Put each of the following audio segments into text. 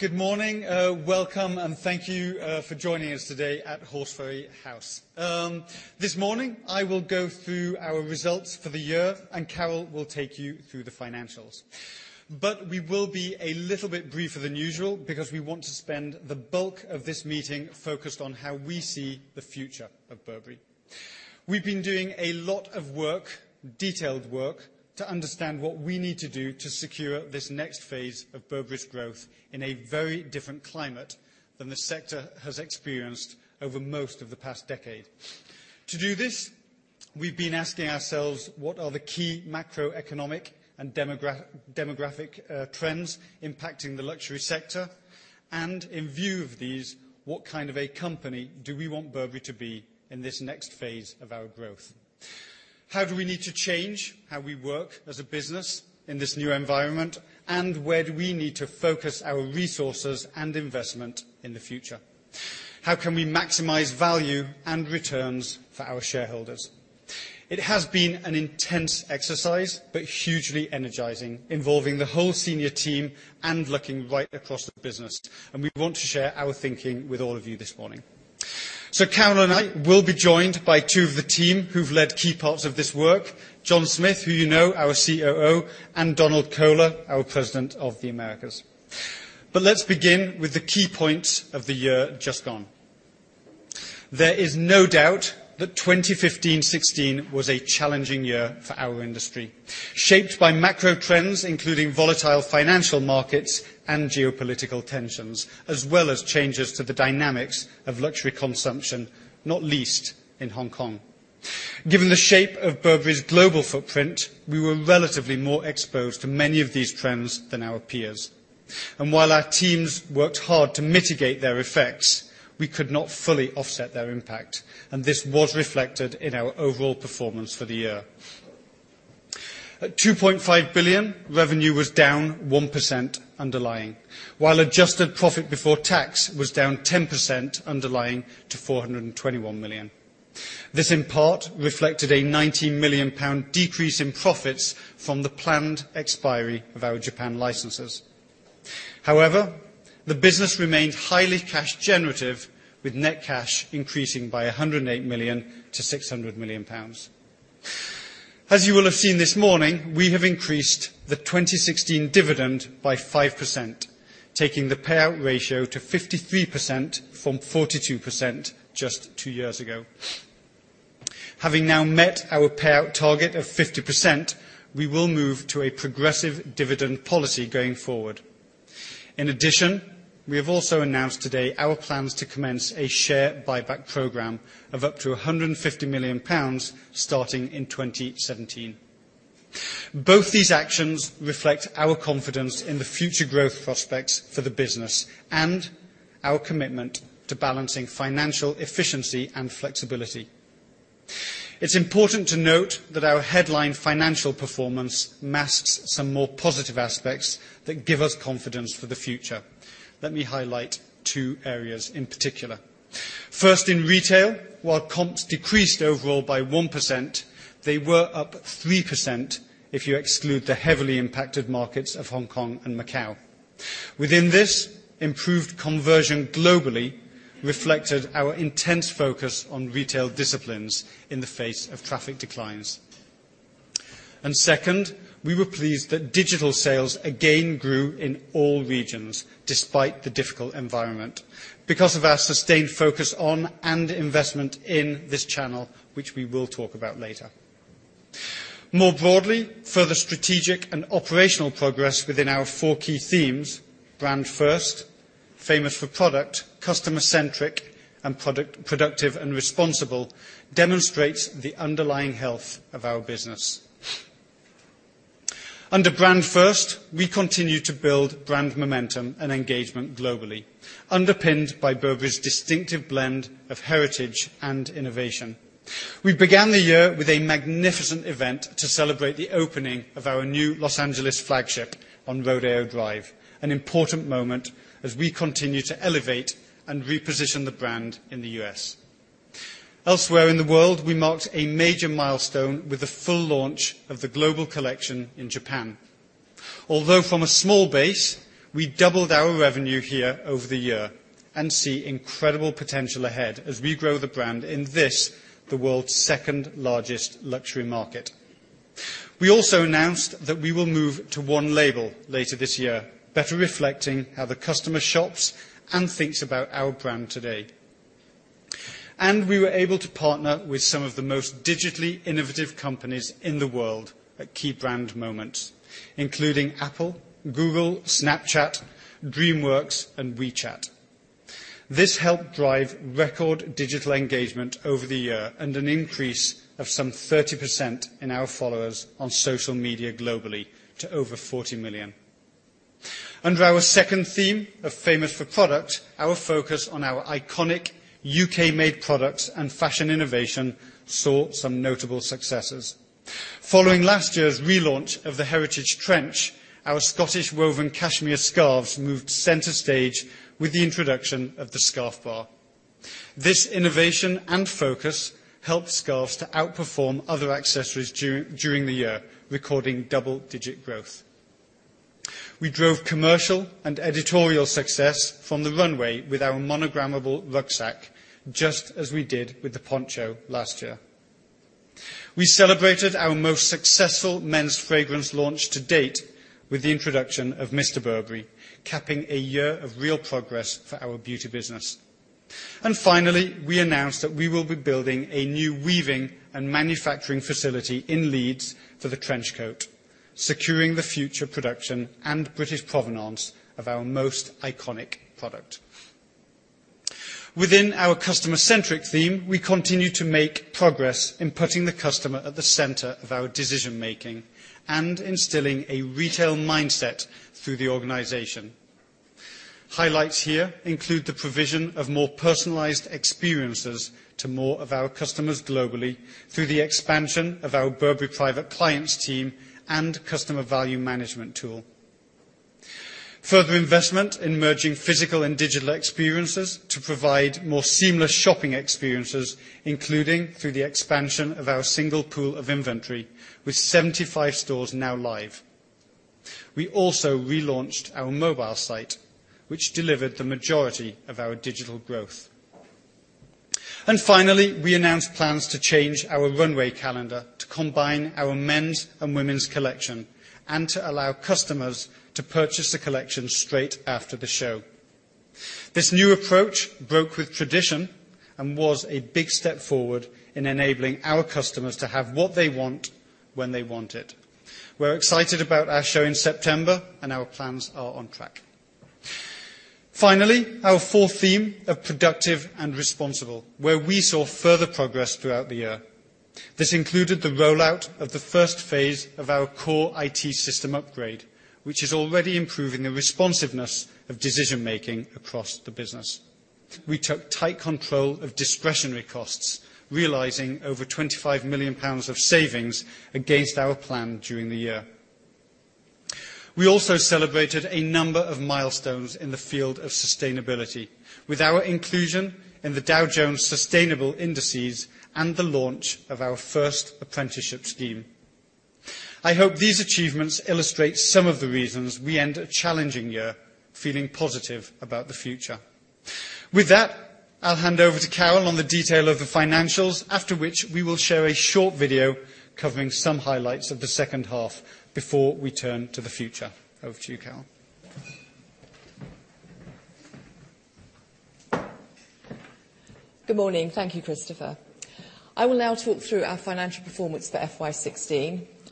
Good morning. Welcome and thank you for joining us today at Horseferry House. This morning, I will go through our results for the year, and Carol will take you through the financials. We will be a little bit briefer than usual because we want to spend the bulk of this meeting focused on how we see the future of Burberry. We've been doing a lot of work, detailed work, to understand what we need to do to secure this next phase of Burberry's growth in a very different climate than the sector has experienced over most of the past decade. To do this, we've been asking ourselves what are the key macroeconomic and demographic trends impacting the luxury sector and, in view of these, what kind of a company do we want Burberry to be in this next phase of our growth? How do we need to change how we work as a business in this new environment, where do we need to focus our resources and investment in the future? How can we maximize value and returns for our shareholders? It has been an intense exercise, hugely energizing, involving the whole senior team and looking right across the business, we want to share our thinking with all of you this morning. Carol and I will be joined by two of the team who've led key parts of this work, John Smith, who you know, our COO, and Donald Kohler, our President of the Americas. Let's begin with the key points of the year just gone. There is no doubt that 2015-16 was a challenging year for our industry, shaped by macro trends including volatile financial markets and geopolitical tensions, as well as changes to the dynamics of luxury consumption, not least in Hong Kong. Given the shape of Burberry's global footprint, we were relatively more exposed to many of these trends than our peers. While our teams worked hard to mitigate their effects, we could not fully offset their impact, and this was reflected in our overall performance for the year. At 2.5 billion, revenue was down 1% underlying, while adjusted profit before tax was down 10% underlying to 421 million. This, in part, reflected a 19 million pound decrease in profits from the planned expiry of our Japan licenses. However, the business remained highly cash generative, with net cash increasing by 108 million to 660 million pounds. As you will have seen this morning, we have increased the 2016 dividend by 5%, taking the payout ratio to 53% from 42% just two years ago. Having now met our payout target of 50%, we will move to a progressive dividend policy going forward. In addition, we have also announced today our plans to commence a share buyback program of up to GBP 150 million, starting in 2017. Both these actions reflect our confidence in the future growth prospects for the business and our commitment to balancing financial efficiency and flexibility. It's important to note that our headline financial performance masks some more positive aspects that give us confidence for the future. Let me highlight two areas in particular. First, in retail, while comps decreased overall by 1%, they were up 3% if you exclude the heavily impacted markets of Hong Kong and Macau. Within this, improved conversion globally reflected our intense focus on retail disciplines in the face of traffic declines. Second, we were pleased that digital sales again grew in all regions despite the difficult environment because of our sustained focus on and investment in this channel, which we will talk about later. More broadly, further strategic and operational progress within our four key themes, Brand First, Famous for Product, Customer Centric, and Productive and Responsible, demonstrates the underlying health of our business. Under Brand First, we continue to build brand momentum and engagement globally, underpinned by Burberry's distinctive blend of heritage and innovation. We began the year with a magnificent event to celebrate the opening of our new L.A. flagship on Rodeo Drive, an important moment as we continue to elevate and reposition the brand in the U.S. Elsewhere in the world, we marked a major milestone with the full launch of the global collection in Japan. Although from a small base, we doubled our revenue here over the year and see incredible potential ahead as we grow the brand in this, the world's second-largest luxury market. We also announced that we will move to one label later this year, better reflecting how the customer shops and thinks about our brand today. We were able to partner with some of the most digitally innovative companies in the world at key brand moments, including Apple, Google, Snapchat, DreamWorks and WeChat. This helped drive record digital engagement over the year and an increase of some 30% in our followers on social media globally to over 40 million. Under our second theme of Famous for Product, our focus on our iconic U.K.-made products and fashion innovation saw some notable successes. Following last year's relaunch of the Heritage Trench, our Scottish woven cashmere scarves moved center stage with the introduction of the Scarf Bar. This innovation and focus helped scarves to outperform other accessories during the year, recording double-digit growth. We drove commercial and editorial success from the runway with our monogrammable rucksack, just as we did with the poncho last year. We celebrated our most successful men's fragrance launch to date with the introduction of Mr. Burberry, capping a year of real progress for our beauty business. Finally, we announced that we will be building a new weaving and manufacturing facility in Leeds for the trench coat, securing the future production and British provenance of our most iconic product. Within our Customer-Centric theme, we continue to make progress in putting the customer at the center of our decision making and instilling a retail mindset through the organization. Highlights here include the provision of more personalized experiences to more of our customers globally through the expansion of our Burberry Private Clients team and customer value management tool. Further investment in merging physical and digital experiences to provide more seamless shopping experiences, including through the expansion of our single pool of inventory, with 75 stores now live. We also relaunched our mobile site, which delivered the majority of our digital growth. Finally, we announced plans to change our runway calendar to combine our men's and women's collection and to allow customers to purchase the collection straight after the show. This new approach broke with tradition and was a big step forward in enabling our customers to have what they want when they want it. We're excited about our show in September, and our plans are on track. Finally, our fourth theme of productive and responsible, where we saw further progress throughout the year. This included the rollout of the first phase of our core IT system upgrade, which is already improving the responsiveness of decision making across the business. We took tight control of discretionary costs, realizing over 25 million pounds of savings against our plan during the year. We also celebrated a number of milestones in the field of sustainability with our inclusion in the Dow Jones Sustainability Indices and the launch of our first apprenticeship scheme. I hope these achievements illustrate some of the reasons we end a challenging year feeling positive about the future. With that, I'll hand over to Carol on the detail of the financials, after which we will show a short video covering some highlights of the second half before we turn to the future. Over to you, Carol. Good morning. Thank you, Christopher. I will now talk through our financial performance for FY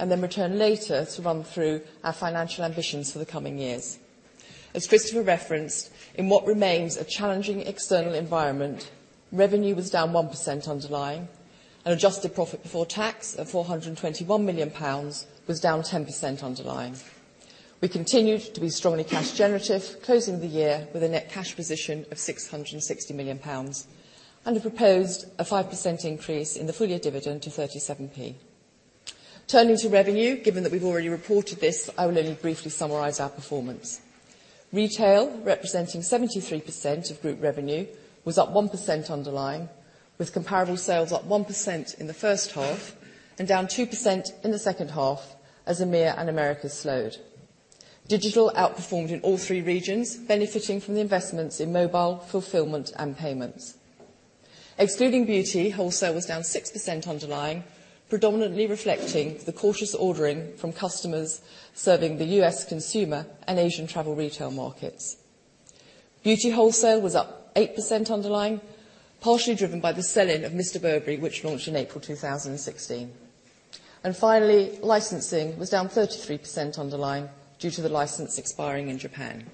2016. Then return later to run through our financial ambitions for the coming years. As Christopher referenced, in what remains a challenging external environment, revenue was down 1% underlying, and adjusted profit before tax of 421 million pounds was down 10% underlying. We continued to be strongly cash generative, closing the year with a net cash position of 660 million pounds and have proposed a 5% increase in the full year dividend to 0.37. Turning to revenue, given that we've already reported this, I will only briefly summarize our performance. Retail, representing 73% of group revenue, was up 1% underlying, with comparable sales up 1% in the first half and down 2% in the second half as EMEA and Americas slowed. Digital outperformed in all three regions, benefiting from the investments in mobile fulfillment and payments. Excluding beauty, wholesale was down 6% underlying, predominantly reflecting the cautious ordering from customers serving the U.S. consumer and Asian travel retail markets. Beauty wholesale was up 8% underlying, partially driven by the sell-in of Mr. Burberry, which launched in April 2016. Finally, licensing was down 33% underlying due to the license expiring in Japan.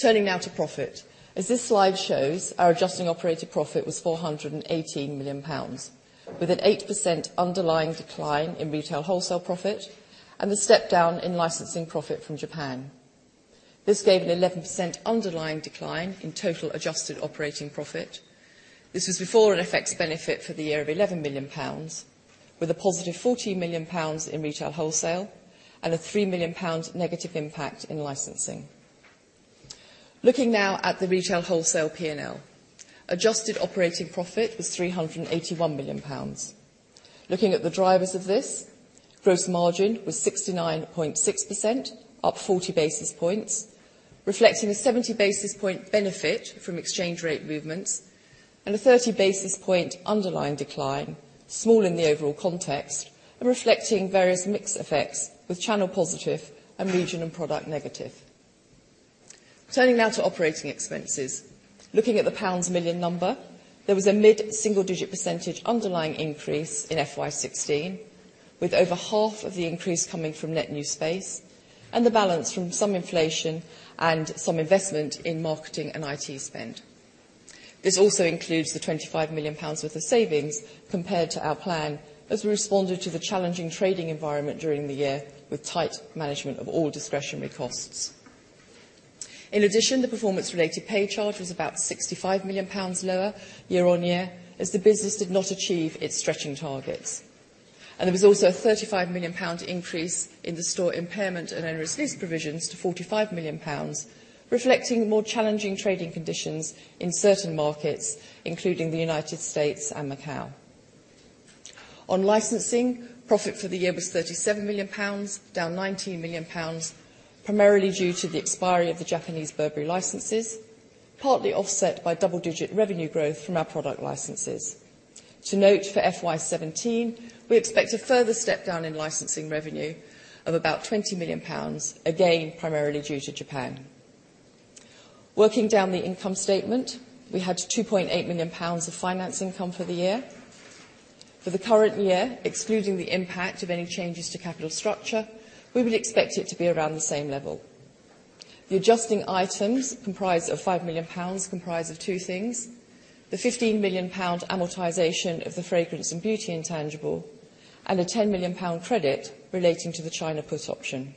Turning now to profit. As this slide shows, our adjusting operating profit was 418 million pounds, with an 8% underlying decline in retail wholesale profit and the step down in licensing profit from Japan. This gave an 11% underlying decline in total adjusted operating profit. This was before an effects benefit for the year of 11 million pounds, with a positive 14 million pounds in retail wholesale and a 3 million pounds negative impact in licensing. Looking now at the retail wholesale P&L. Adjusted operating profit was GBP 381 million. Looking at the drivers of this, gross margin was 69.6%, up 40 basis points, reflecting a 70 basis point benefit from exchange rate movements and a 30 basis point underlying decline, small in the overall context, and reflecting various mix effects with channel positive and region and product negative. Turning now to operating expenses. Looking at the pounds million number, there was a mid-single digit percentage underlying increase in FY 2016, with over half of the increase coming from net new space and the balance from some inflation and some investment in marketing and IT spend. This also includes the 25 million pounds worth of savings compared to our plan as we responded to the challenging trading environment during the year with tight management of all discretionary costs. In addition, the performance-related pay charge was about 65 million pounds lower year-on-year as the business did not achieve its stretching targets. There was also a 35 million pound increase in the store impairment and onerous lease provisions to 45 million pounds, reflecting more challenging trading conditions in certain markets, including the United States and Macau. On licensing, profit for the year was 37 million pounds, down 19 million pounds, primarily due to the expiry of the Japanese Burberry licenses, partly offset by double-digit revenue growth from our product licenses. To note for FY 2017, we expect a further step down in licensing revenue of about 20 million pounds, again, primarily due to Japan. Working down the income statement, we had 2.8 million pounds of finance income for the year. For the current year, excluding the impact of any changes to capital structure, we would expect it to be around the same level. The adjusting items comprised of 5 million pounds comprised of two things: the 15 million pound amortization of the fragrance and beauty intangible, and a 10 million pound credit relating to the China put option.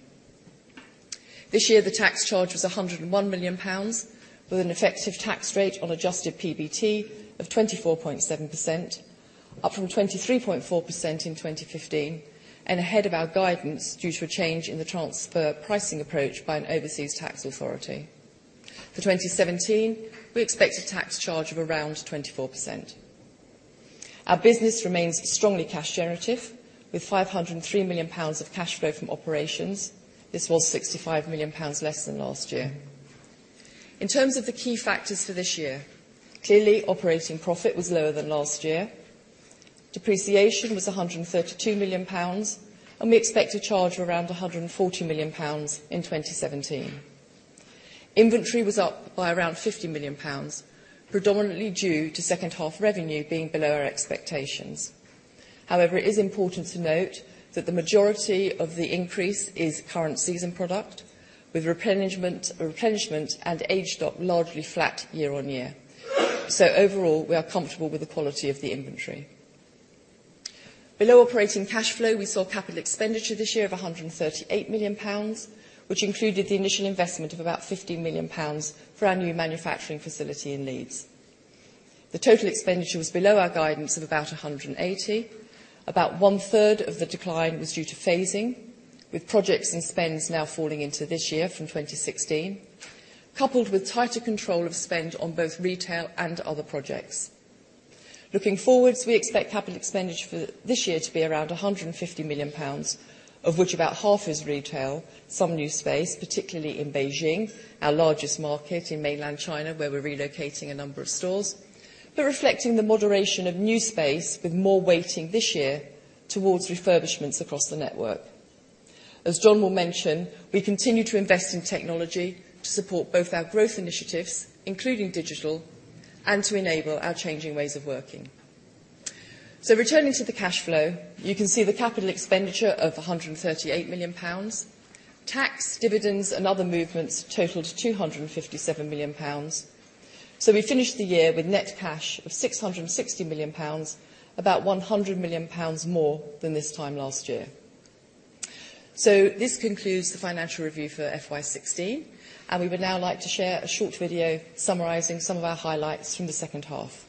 This year, the tax charge was 101 million pounds, with an effective tax rate on adjusted PBT of 24.7%, up from 23.4% in 2015, and ahead of our guidance due to a change in the transfer pricing approach by an overseas tax authority. For 2017, we expect a tax charge of around 24%. Our business remains strongly cash generative, with 503 million pounds of cash flow from operations. This was 65 million pounds less than last year. In terms of the key factors for this year, clearly operating profit was lower than last year. Depreciation was 132 million pounds, and we expect a charge of around 140 million pounds in 2017. Inventory was up by around 50 million pounds, predominantly due to second half revenue being below our expectations. However, it is important to note that the majority of the increase is current season product, with replenishment and age stock largely flat year-on-year. So overall, we are comfortable with the quality of the inventory. Below operating cash flow, we saw capital expenditure this year of 138 million pounds, which included the initial investment of about 15 million pounds for our new manufacturing facility in Leeds. The total expenditure was below our guidance of about 180 million. About one-third of the decline was due to phasing, with projects and spends now falling into this year from 2016, coupled with tighter control of spend on both retail and other projects. Looking forwards, we expect capital expenditure for this year to be around 150 million pounds, of which about half is retail, some new space, particularly in Beijing, our largest market in mainland China, where we're relocating a number of stores. But reflecting the moderation of new space with more weighting this year towards refurbishments across the network. As John will mention, we continue to invest in technology to support both our growth initiatives, including digital, and to enable our changing ways of working. Returning to the cash flow, you can see the capital expenditure of 138 million pounds. Tax, dividends, and other movements totaled 257 million pounds. So we finished the year with net cash of 660 million pounds, about 100 million pounds more than this time last year. This concludes the financial review for FY 2016, and we would now like to share a short video summarizing some of our highlights from the second half.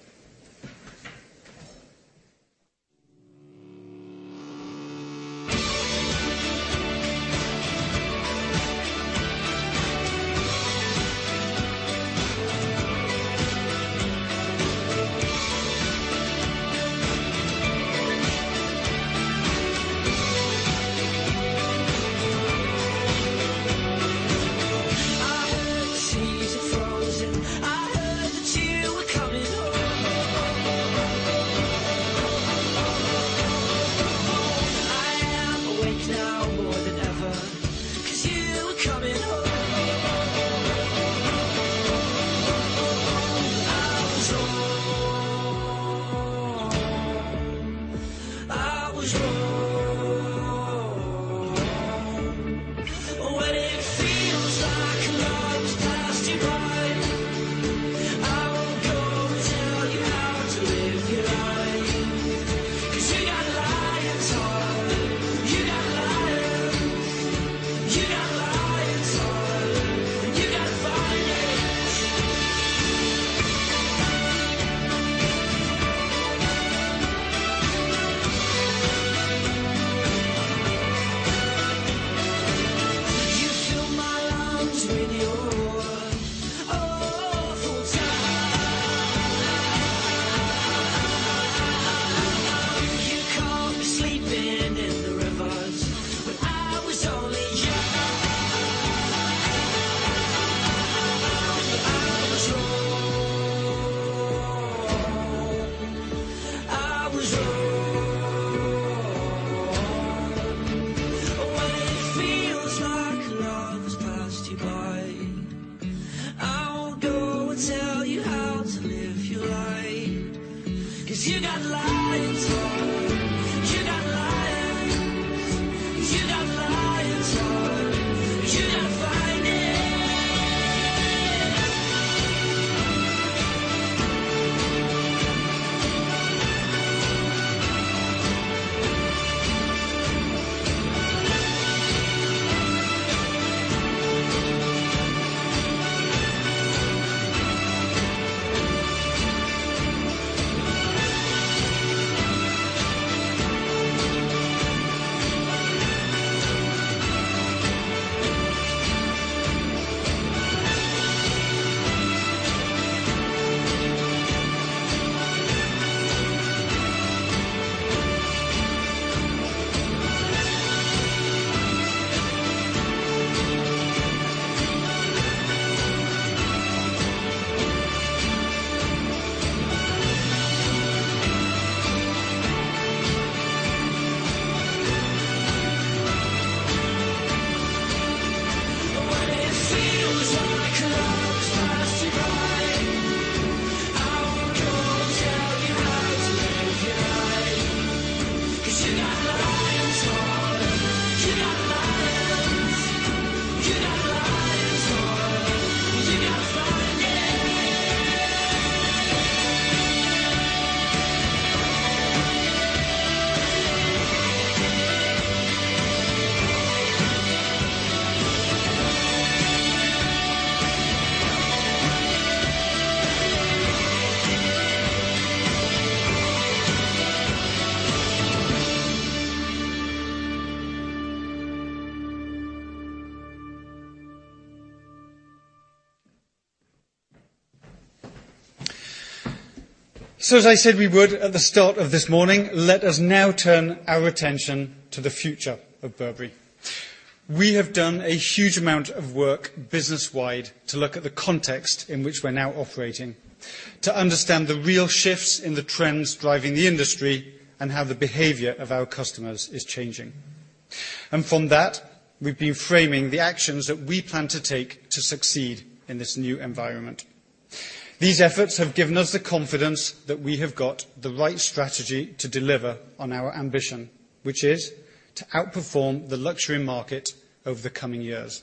These efforts have given us the confidence that we have got the right strategy to deliver on our ambition, which is to outperform the luxury market over the coming years.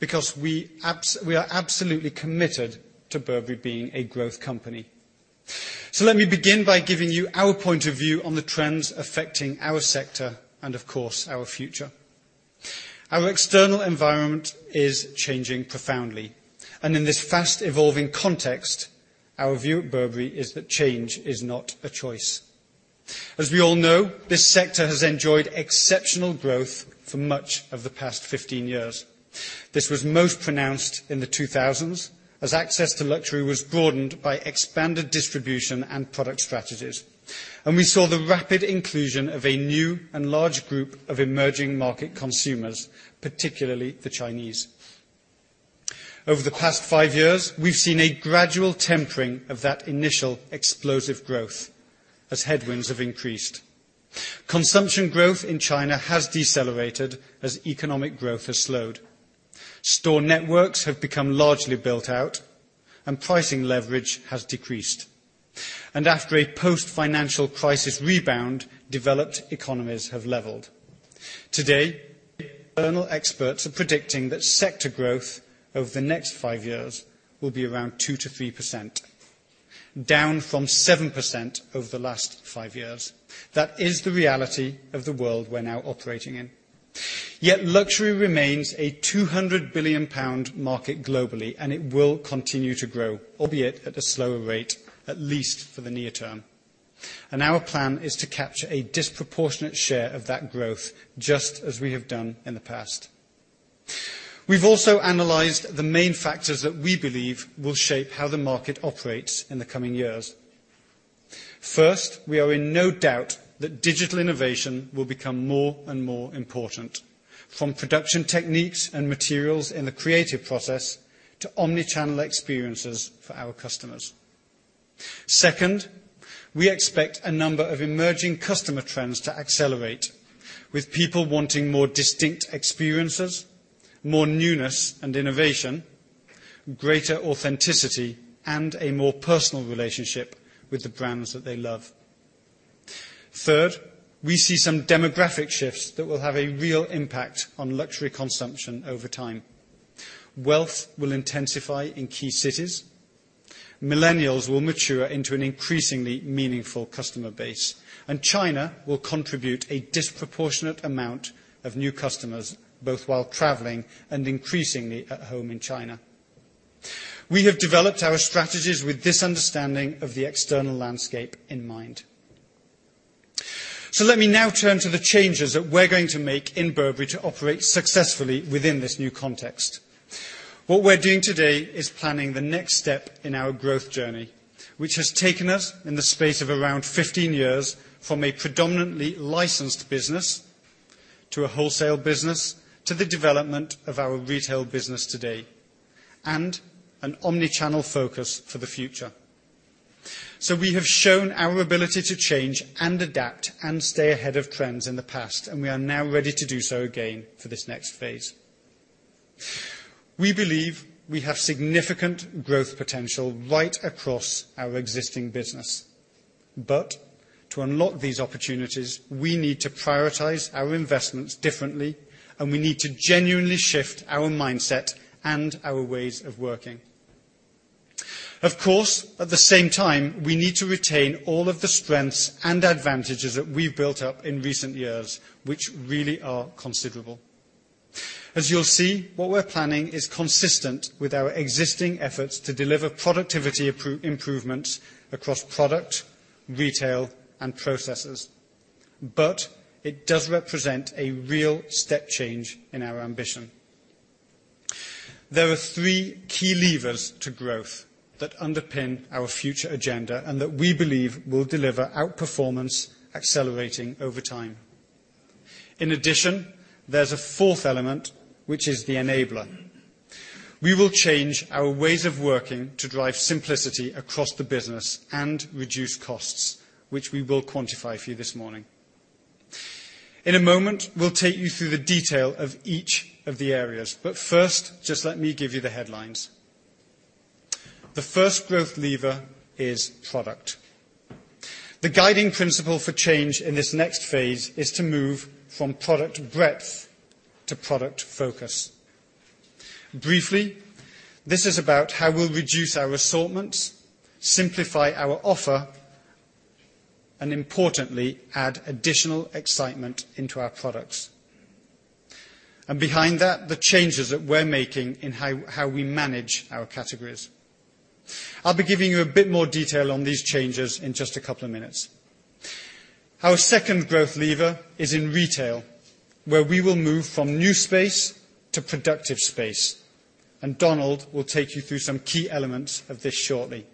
We are absolutely committed to Burberry being a growth company. Let me begin by giving you our point of view on the trends affecting our sector and of course, our future. Our external environment is changing profoundly. In this fast evolving context, our view at Burberry is that change is not a choice. As we all know, this sector has enjoyed exceptional growth for much of the past 15 years. This was most pronounced in the 2000s, as access to luxury was broadened by expanded distribution and product strategies. We saw the rapid inclusion of a new and large group of emerging market consumers, particularly the Chinese. Over the past five years, we've seen a gradual tempering of that initial explosive growth as headwinds have increased. Consumption growth in China has decelerated as economic growth has slowed. Store networks have become largely built out, pricing leverage has decreased. After a post-financial crisis rebound, developed economies have leveled. Today, external experts are predicting that sector growth over the next five years will be around 2%-3%, down from 7% over the last five years. That is the reality of the world we're now operating in. Yet luxury remains a 200 billion pound market globally, it will continue to grow, albeit at a slower rate, at least for the near term. Our plan is to capture a disproportionate share of that growth, just as we have done in the past. We've also analyzed the main factors that we believe will shape how the market operates in the coming years. First, we are in no doubt that digital innovation will become more and more important, from production techniques and materials in the creative process, to omni-channel experiences for our customers. Second, we expect a number of emerging customer trends to accelerate with people wanting more distinct experiences, more newness and innovation, greater authenticity, and a more personal relationship with the brands that they love. Third, we see some demographic shifts that will have a real impact on luxury consumption over time. Wealth will intensify in key cities. Millennials will mature into an increasingly meaningful customer base. China will contribute a disproportionate amount of new customers, both while traveling and increasingly at home in China. We have developed our strategies with this understanding of the external landscape in mind. Let me now turn to the changes that we're going to make in Burberry to operate successfully within this new context. What we're doing today is planning the next step in our growth journey, which has taken us in the space of around 15 years, from a predominantly licensed business, to a wholesale business, to the development of our retail business today, an omni-channel focus for the future. We have shown our ability to change and adapt and stay ahead of trends in the past, we are now ready to do so again for this next phase. We believe we have significant growth potential right across our existing business. To unlock these opportunities, we need to prioritize our investments differently, we need to genuinely shift our mindset and our ways of working. Of course, at the same time, we need to retain all of the strengths and advantages that we've built up in recent years, which really are considerable. As you'll see, what we're planning is consistent with our existing efforts to deliver productivity improvements across product, retail, and processes. It does represent a real step change in our ambition. There are three key levers to growth that underpin our future agenda and that we believe will deliver outperformance accelerating over time. In addition, there's a fourth element, which is the enabler. We will change our ways of working to drive simplicity across the business and reduce costs, which we will quantify for you this morning. In a moment, we'll take you through the detail of each of the areas. First, just let me give you the headlines. The first growth lever is product. The guiding principle for change in this next phase is to move from product breadth to product focus. Briefly, this is about how we'll reduce our assortments, simplify our offer, and importantly, add additional excitement into our products. Behind that, the changes that we're making in how we manage our categories. I'll be giving you a bit more detail on these changes in just a couple of minutes. Our second growth lever is in retail, where we will move from new space to productive space. Donald will take you through some key elements of this shortly.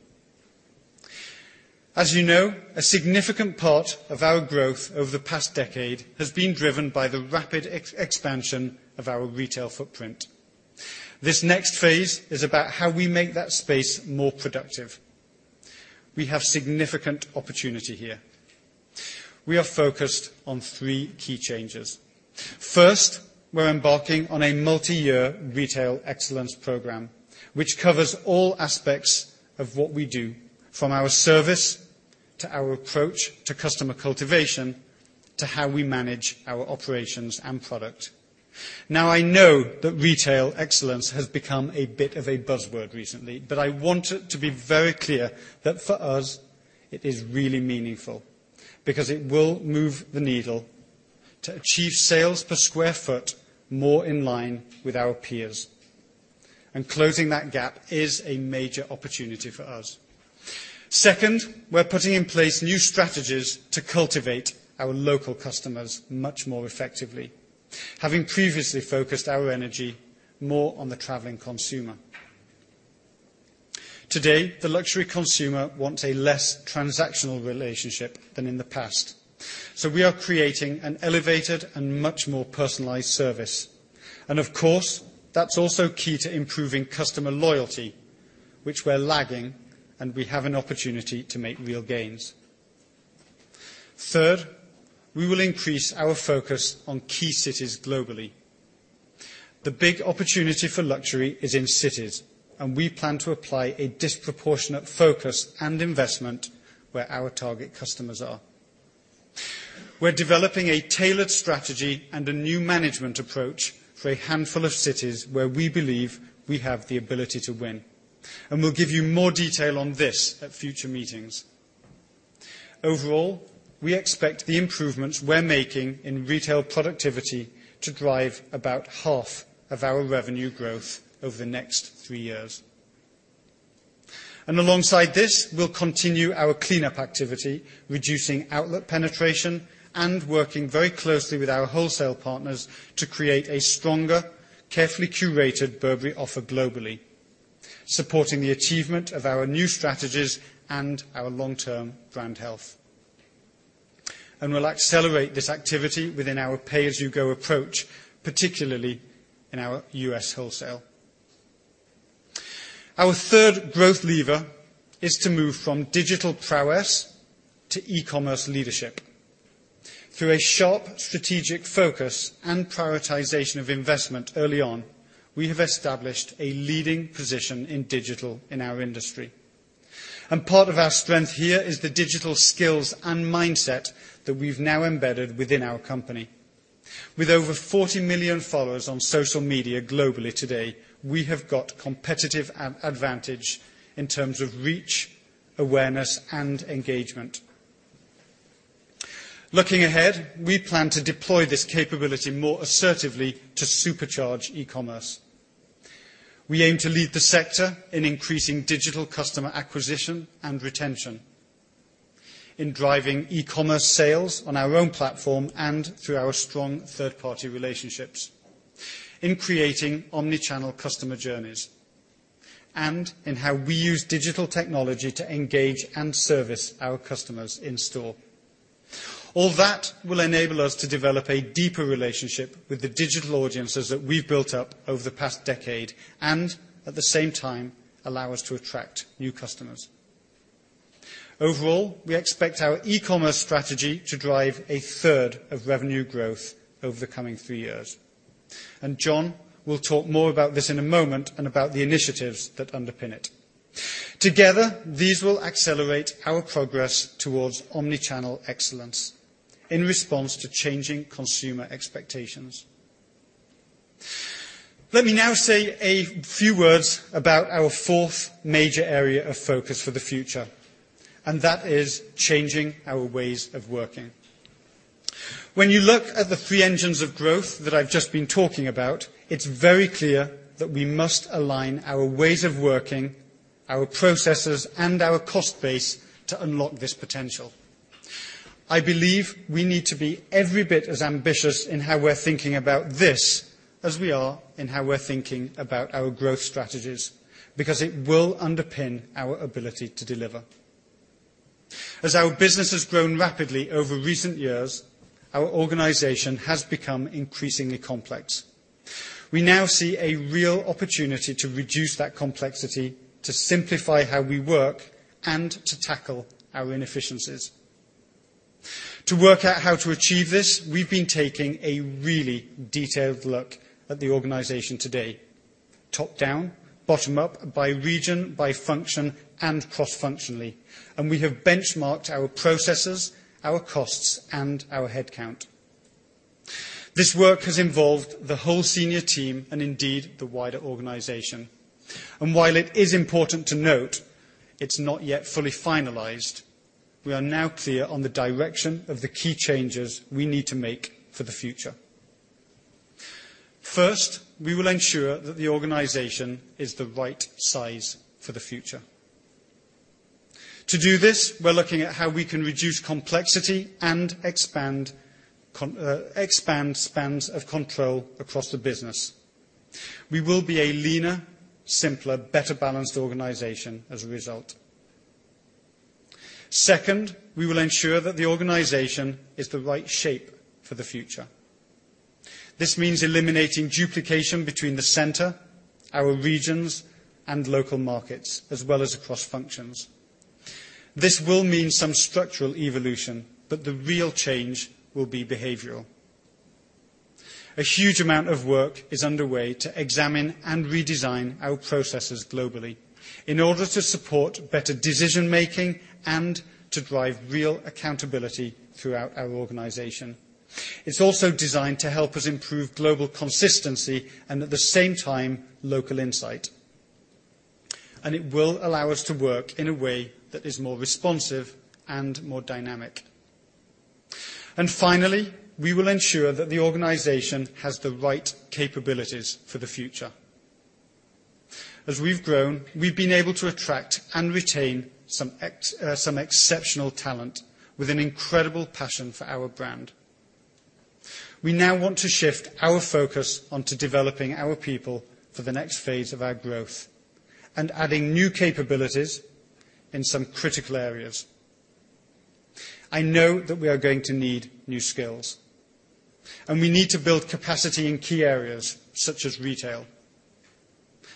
As you know, a significant part of our growth over the past decade has been driven by the rapid expansion of our retail footprint. This next phase is about how we make that space more productive. We have significant opportunity here. We are focused on three key changes. First, we're embarking on a multi-year retail excellence program, which covers all aspects of what we do, from our service to our approach to customer cultivation, to how we manage our operations and product. Now, I know that retail excellence has become a bit of a buzzword recently, but I want it to be very clear that for us, it is really meaningful because it will move the needle to achieve sales per square foot more in line with our peers. Closing that gap is a major opportunity for us. Second, we're putting in place new strategies to cultivate our local customers much more effectively, having previously focused our energy more on the traveling consumer. Today, the luxury consumer wants a less transactional relationship than in the past. We are creating an elevated and much more personalized service. Of course, that's also key to improving customer loyalty, which we're lagging, and we have an opportunity to make real gains. Third, we will increase our focus on key cities globally. The big opportunity for luxury is in cities, and we plan to apply a disproportionate focus and investment where our target customers are. We're developing a tailored strategy and a new management approach for a handful of cities where we believe we have the ability to win. We'll give you more detail on this at future meetings. Overall, we expect the improvements we're making in retail productivity to drive about half of our revenue growth over the next three years. Alongside this, we'll continue our cleanup activity, reducing outlet penetration, and working very closely with our wholesale partners to create a stronger, carefully curated Burberry offer globally, supporting the achievement of our new strategies and our long-term brand health. We'll accelerate this activity within our pay-as-you-go approach, particularly in our U.S. wholesale. Our third growth lever is to move from digital prowess to e-commerce leadership. Through a sharp strategic focus and prioritization of investment early on, we have established a leading position in digital in our industry. Part of our strength here is the digital skills and mindset that we've now embedded within our company. With over 40 million followers on social media globally today, we have got competitive advantage in terms of reach, awareness, and engagement. Looking ahead, we plan to deploy this capability more assertively to supercharge e-commerce. We aim to lead the sector in increasing digital customer acquisition and retention, in driving e-commerce sales on our own platform and through our strong third-party relationships, in creating omni-channel customer journeys, and in how we use digital technology to engage and service our customers in store. All that will enable us to develop a deeper relationship with the digital audiences that we've built up over the past decade, and at the same time, allow us to attract new customers. Overall, we expect our e-commerce strategy to drive a third of revenue growth over the coming three years. John will talk more about this in a moment and about the initiatives that underpin it. Together, these will accelerate our progress towards omni-channel excellence in response to changing consumer expectations. Let me now say a few words about our fourth major area of focus for the future. That is changing our ways of working. When you look at the three engines of growth that I've just been talking about, it's very clear that we must align our ways of working, our processes, and our cost base to unlock this potential. I believe we need to be every bit as ambitious in how we're thinking about this as we are in how we're thinking about our growth strategies, because it will underpin our ability to deliver. As our business has grown rapidly over recent years, our organization has become increasingly complex. We now see a real opportunity to reduce that complexity, to simplify how we work, and to tackle our inefficiencies. To work out how to achieve this, we've been taking a really detailed look at the organization today, top-down, bottom-up, by region, by function, and cross-functionally, we have benchmarked our processes, our costs, and our headcount. This work has involved the whole senior team and indeed, the wider organization. While it is important to note it's not yet fully finalized, we are now clear on the direction of the key changes we need to make for the future. First, we will ensure that the organization is the right size for the future. To do this, we're looking at how we can reduce complexity and expand spans of control across the business. We will be a leaner, simpler, better balanced organization as a result. Second, we will ensure that the organization is the right shape for the future. This means eliminating duplication between the center, our regions, and local markets, as well as across functions. This will mean some structural evolution, but the real change will be behavioral. A huge amount of work is underway to examine and redesign our processes globally in order to support better decision-making and to drive real accountability throughout our organization. It's also designed to help us improve global consistency and at the same time, local insight. It will allow us to work in a way that is more responsive and more dynamic. Finally, we will ensure that the organization has the right capabilities for the future. As we've grown, we've been able to attract and retain some exceptional talent with an incredible passion for our brand. We now want to shift our focus onto developing our people for the next phase of our growth and adding new capabilities in some critical areas. I know that we are going to need new skills, and we need to build capacity in key areas such as retail.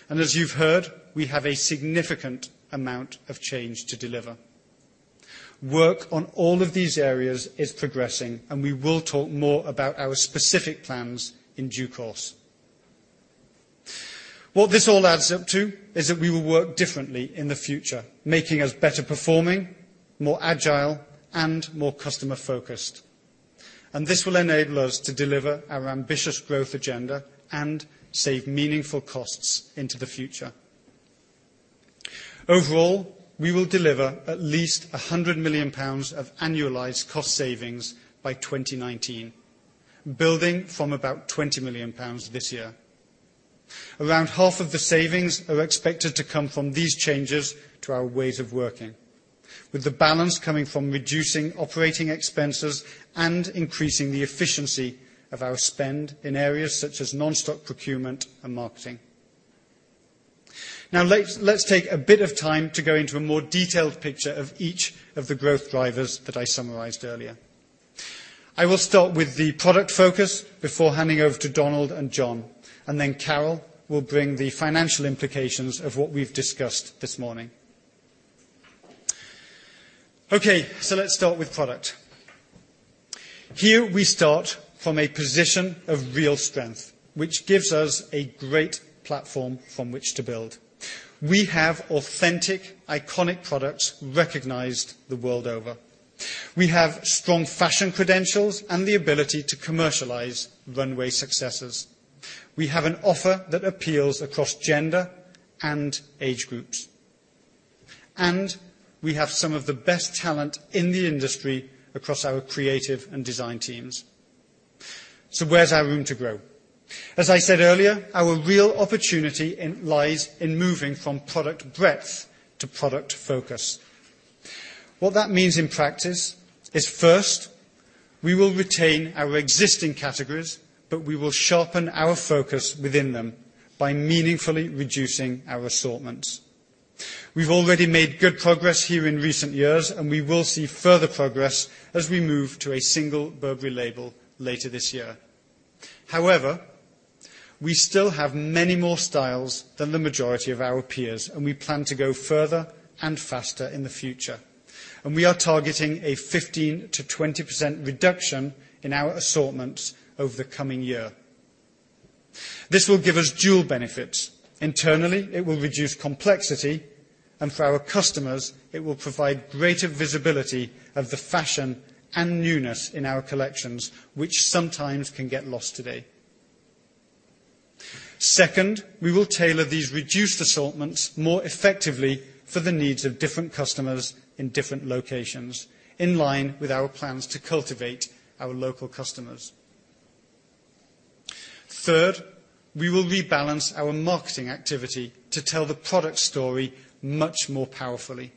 As you've heard, we have a significant amount of change to deliver. Work on all of these areas is progressing, and we will talk more about our specific plans in due course. What this all adds up to is that we will work differently in the future, making us better performing, more agile, and more customer focused. This will enable us to deliver our ambitious growth agenda and save meaningful costs into the future. Overall, we will deliver at least 100 million pounds of annualized cost savings by 2019, building from about 20 million pounds this year. Around half of the savings are expected to come from these changes to our ways of working, with the balance coming from reducing operating expenses and increasing the efficiency of our spend in areas such as non-stock procurement and marketing. Let's take a bit of time to go into a more detailed picture of each of the growth drivers that I summarized earlier. I will start with the product focus before handing over to Donald and John, and then Carol will bring the financial implications of what we've discussed this morning. Let's start with product. Here we start from a position of real strength, which gives us a great platform from which to build. We have authentic, iconic products recognized the world over. We have strong fashion credentials and the ability to commercialize runway successes. We have an offer that appeals across gender and age groups. We have some of the best talent in the industry across our creative and design teams. Where's our room to grow? As I said earlier, our real opportunity lies in moving from product breadth to product focus. What that means in practice is first, we will retain our existing categories, but we will sharpen our focus within them by meaningfully reducing our assortments. We've already made good progress here in recent years, we will see further progress as we move to a single Burberry label later this year. However, we still have many more styles than the majority of our peers, we plan to go further and faster in the future. We are targeting a 15%-20% reduction in our assortments over the coming year. This will give us dual benefits. Internally, it will reduce complexity, and for our customers, it will provide greater visibility of the fashion and newness in our collections, which sometimes can get lost today. Second, we will tailor these reduced assortments more effectively for the needs of different customers in different locations, in line with our plans to cultivate our local customers. Third, we will rebalance our marketing activity to tell the product story much more powerfully.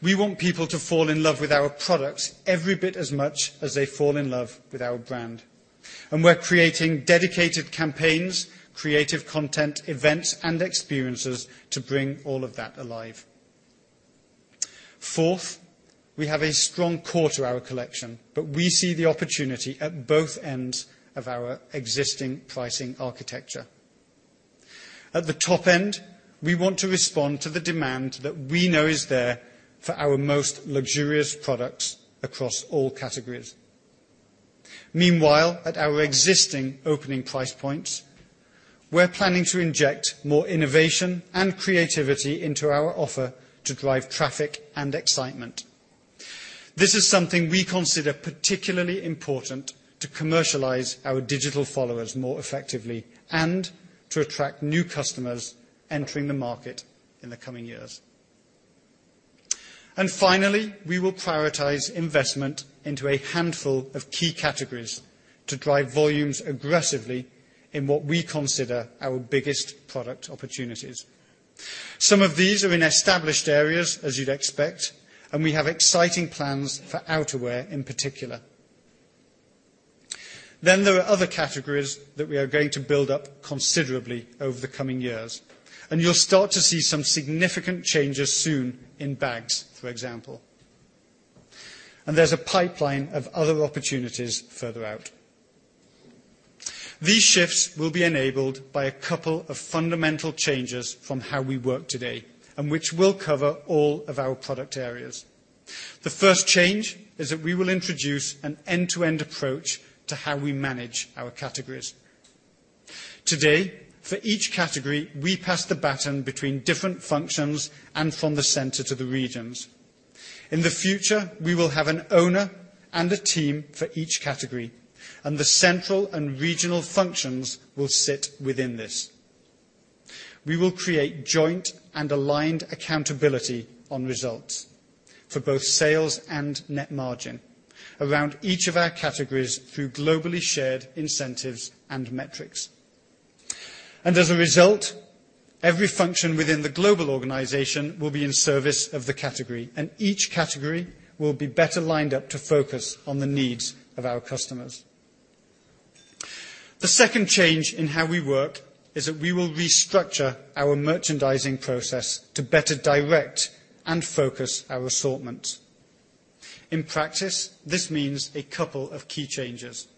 We want people to fall in love with our products every bit as much as they fall in love with our brand, and we're creating dedicated campaigns, creative content, events, and experiences to bring all of that alive. Fourth, we have a strong core to our collection, but we see the opportunity at both ends of our existing pricing architecture. At the top end, we want to respond to the demand that we know is there for our most luxurious products across all categories. Meanwhile, at our existing opening price points, we're planning to inject more innovation and creativity into our offer to drive traffic and excitement. This is something we consider particularly important to commercialize our digital followers more effectively and to attract new customers entering the market in the coming years. Finally, we will prioritize investment into a handful of key categories to drive volumes aggressively in what we consider our biggest product opportunities. Some of these are in established areas, as you'd expect, and we have exciting plans for outerwear in particular. There are other categories that we are going to build up considerably over the coming years, and you'll start to see some significant changes soon in bags, for example. There's a pipeline of other opportunities further out. These shifts will be enabled by a couple of fundamental changes from how we work today, and which will cover all of our product areas. The first change is that we will introduce an end-to-end approach to how we manage our categories. Today, for each category, we pass the baton between different functions and from the center to the regions. In the future, we will have an owner and a team for each category, and the central and regional functions will sit within this. We will create joint and aligned accountability on results for both sales and net margin around each of our categories through globally shared incentives and metrics. As a result, every function within the global organization will be in service of the category, and each category will be better lined up to focus on the needs of our customers. The second change in how we work is that we will restructure our merchandising process to better direct and focus our assortment. In practice, this means a couple of key changes.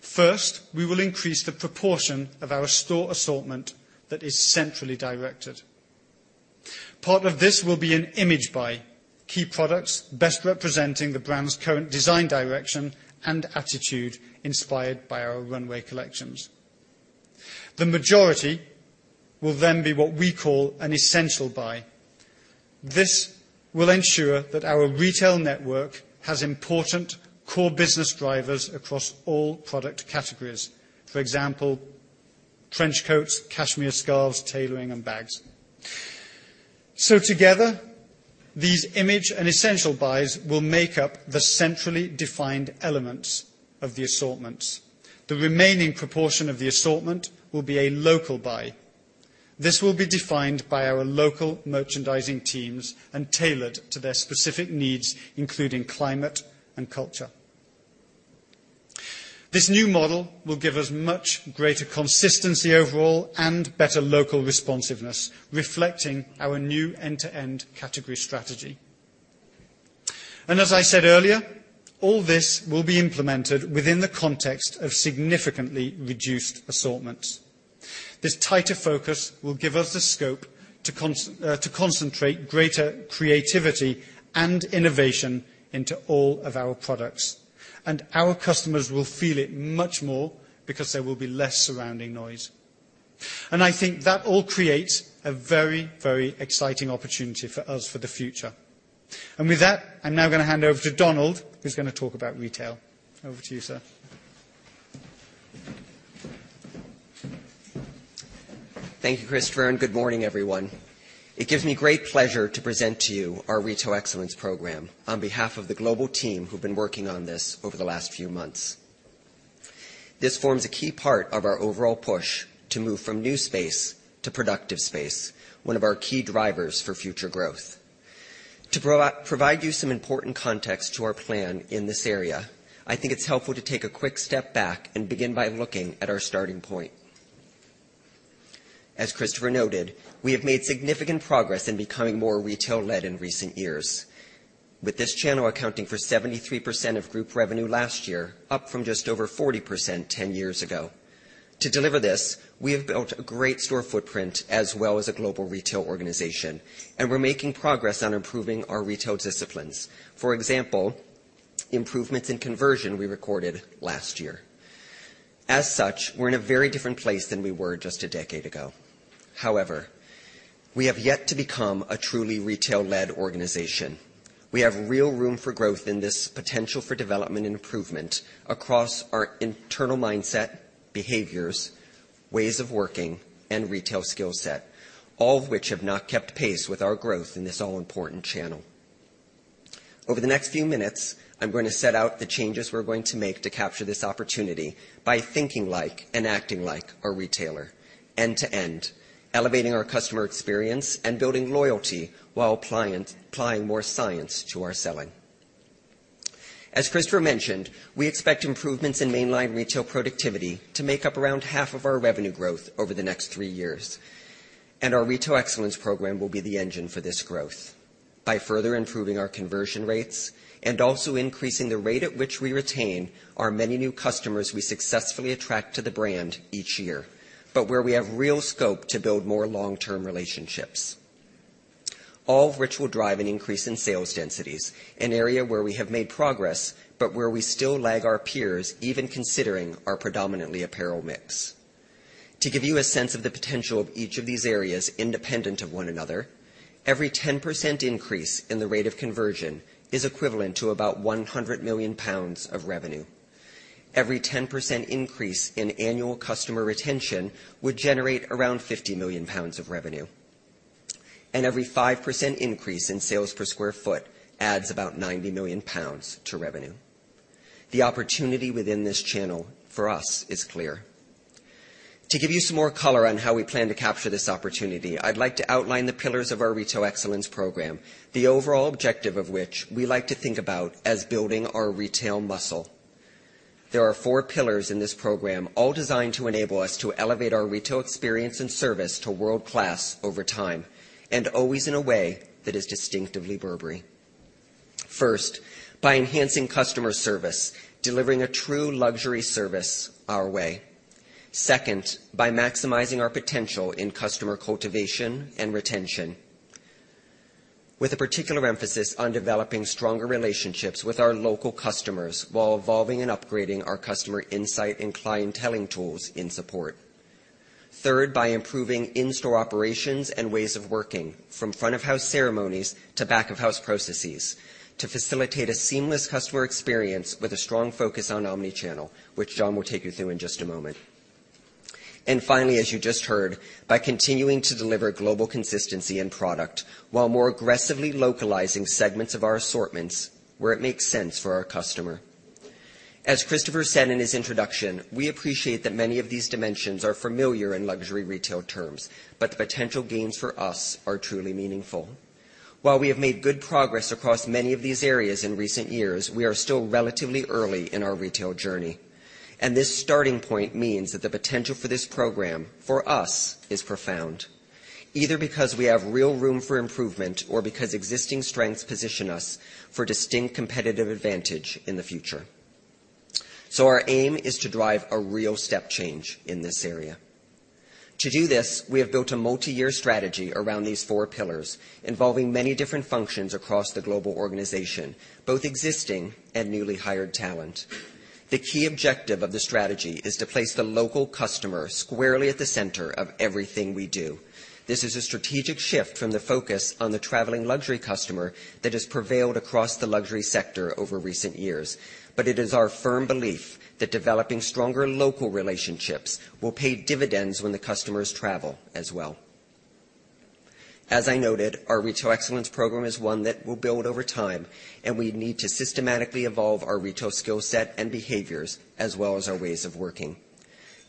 First, we will increase the proportion of our store assortment that is centrally directed. Part of this will be an image buy, key products best representing the brand's current design direction and attitude inspired by our runway collections. The majority will then be what we call an essential buy. This will ensure that our retail network has important core business drivers across all product categories. For example, trench coats, cashmere scarves, tailoring, and bags. Together, these image and essential buys will make up the centrally defined elements of the assortments. The remaining proportion of the assortment will be a local buy. This will be defined by our local merchandising teams and tailored to their specific needs, including climate and culture. This new model will give us much greater consistency overall and better local responsiveness, reflecting our new end-to-end category strategy. As I said earlier, all this will be implemented within the context of significantly reduced assortments. This tighter focus will give us the scope to concentrate greater creativity and innovation into all of our products. Our customers will feel it much more because there will be less surrounding noise. I think that all creates a very, very exciting opportunity for us for the future. With that, I'm now gonna hand over to Donald, who's gonna talk about retail. Over to you, sir. Thank you, Christopher, and good morning, everyone. It gives me great pleasure to present to you our Retail Excellence Program on behalf of the global team who've been working on this over the last few months. This forms a key part of our overall push to move from new space to productive space, one of our key drivers for future growth. To provide you some important context to our plan in this area, I think it's helpful to take a quick step back and begin by looking at our starting point. As Christopher noted, we have made significant progress in becoming more retail-led in recent years. With this channel accounting for 73% of group revenue last year, up from just over 40% 10 years ago. To deliver this, we have built a great store footprint as well as a global retail organization, and we're making progress on improving our retail disciplines. For example, improvements in conversion we recorded last year. As such, we're in a very different place than we were just a decade ago. However, we have yet to become a truly retail-led organization. We have real room for growth in this potential for development and improvement across our internal mindset, behaviors, ways of working, and retail skill set, all of which have not kept pace with our growth in this all-important channel. Over the next few minutes, I'm going to set out the changes we're going to make to capture this opportunity by thinking like and acting like a retailer end to end, elevating our customer experience, and building loyalty while applying more science to our selling. As Christopher mentioned, we expect improvements in mainline retail productivity to make up around half of our revenue growth over the next three years. Our Retail Excellence Program will be the engine for this growth by further improving our conversion rates and also increasing the rate at which we retain our many new customers we successfully attract to the brand each year, but where we have real scope to build more long-term relationships. All of which will drive an increase in sales densities, an area where we have made progress, but where we still lag our peers, even considering our predominantly apparel mix. To give you a sense of the potential of each of these areas independent of one another, every 10% increase in the rate of conversion is equivalent to about 100 million pounds of revenue. Every 10% increase in annual customer retention would generate around 50 million pounds of revenue. Every 5% increase in sales per square foot adds about 90 million pounds to revenue. The opportunity within this channel for us is clear. To give you some more color on how we plan to capture this opportunity, I'd like to outline the pillars of our Retail Excellence Program, the overall objective of which we like to think about as building our retail muscle. There are four pillars in this program, all designed to enable us to elevate our retail experience and service to world-class over time, and always in a way that is distinctively Burberry. First, by enhancing customer service, delivering a true luxury service our way. Second, by maximizing our potential in customer cultivation and retention, with a particular emphasis on developing stronger relationships with our local customers while evolving and upgrading our customer insight and clienteling tools in support. Third, by improving in-store operations and ways of working, from front of house ceremonies to back of house processes, to facilitate a seamless customer experience with a strong focus on omni-channel, which John will take you through in just a moment. Finally, as you just heard, by continuing to deliver global consistency in product, while more aggressively localizing segments of our assortments where it makes sense for our customer. As Christopher said in his introduction, we appreciate that many of these dimensions are familiar in luxury retail terms, but the potential gains for us are truly meaningful. While we have made good progress across many of these areas in recent years, we are still relatively early in our retail journey, and this starting point means that the potential for this program for us is profound, either because we have real room for improvement or because existing strengths position us for distinct competitive advantage in the future. Our aim is to drive a real step change in this area. To do this, we have built a multi-year strategy around these four pillars, involving many different functions across the global organization, both existing and newly hired talent. The key objective of the strategy is to place the local customer squarely at the center of everything we do. This is a strategic shift from the focus on the traveling luxury customer that has prevailed across the luxury sector over recent years. It is our firm belief that developing stronger local relationships will pay dividends when the customers travel as well. As I noted, our Retail Excellence Program is one that we'll build over time, and we need to systematically evolve our retail skill set and behaviors, as well as our ways of working.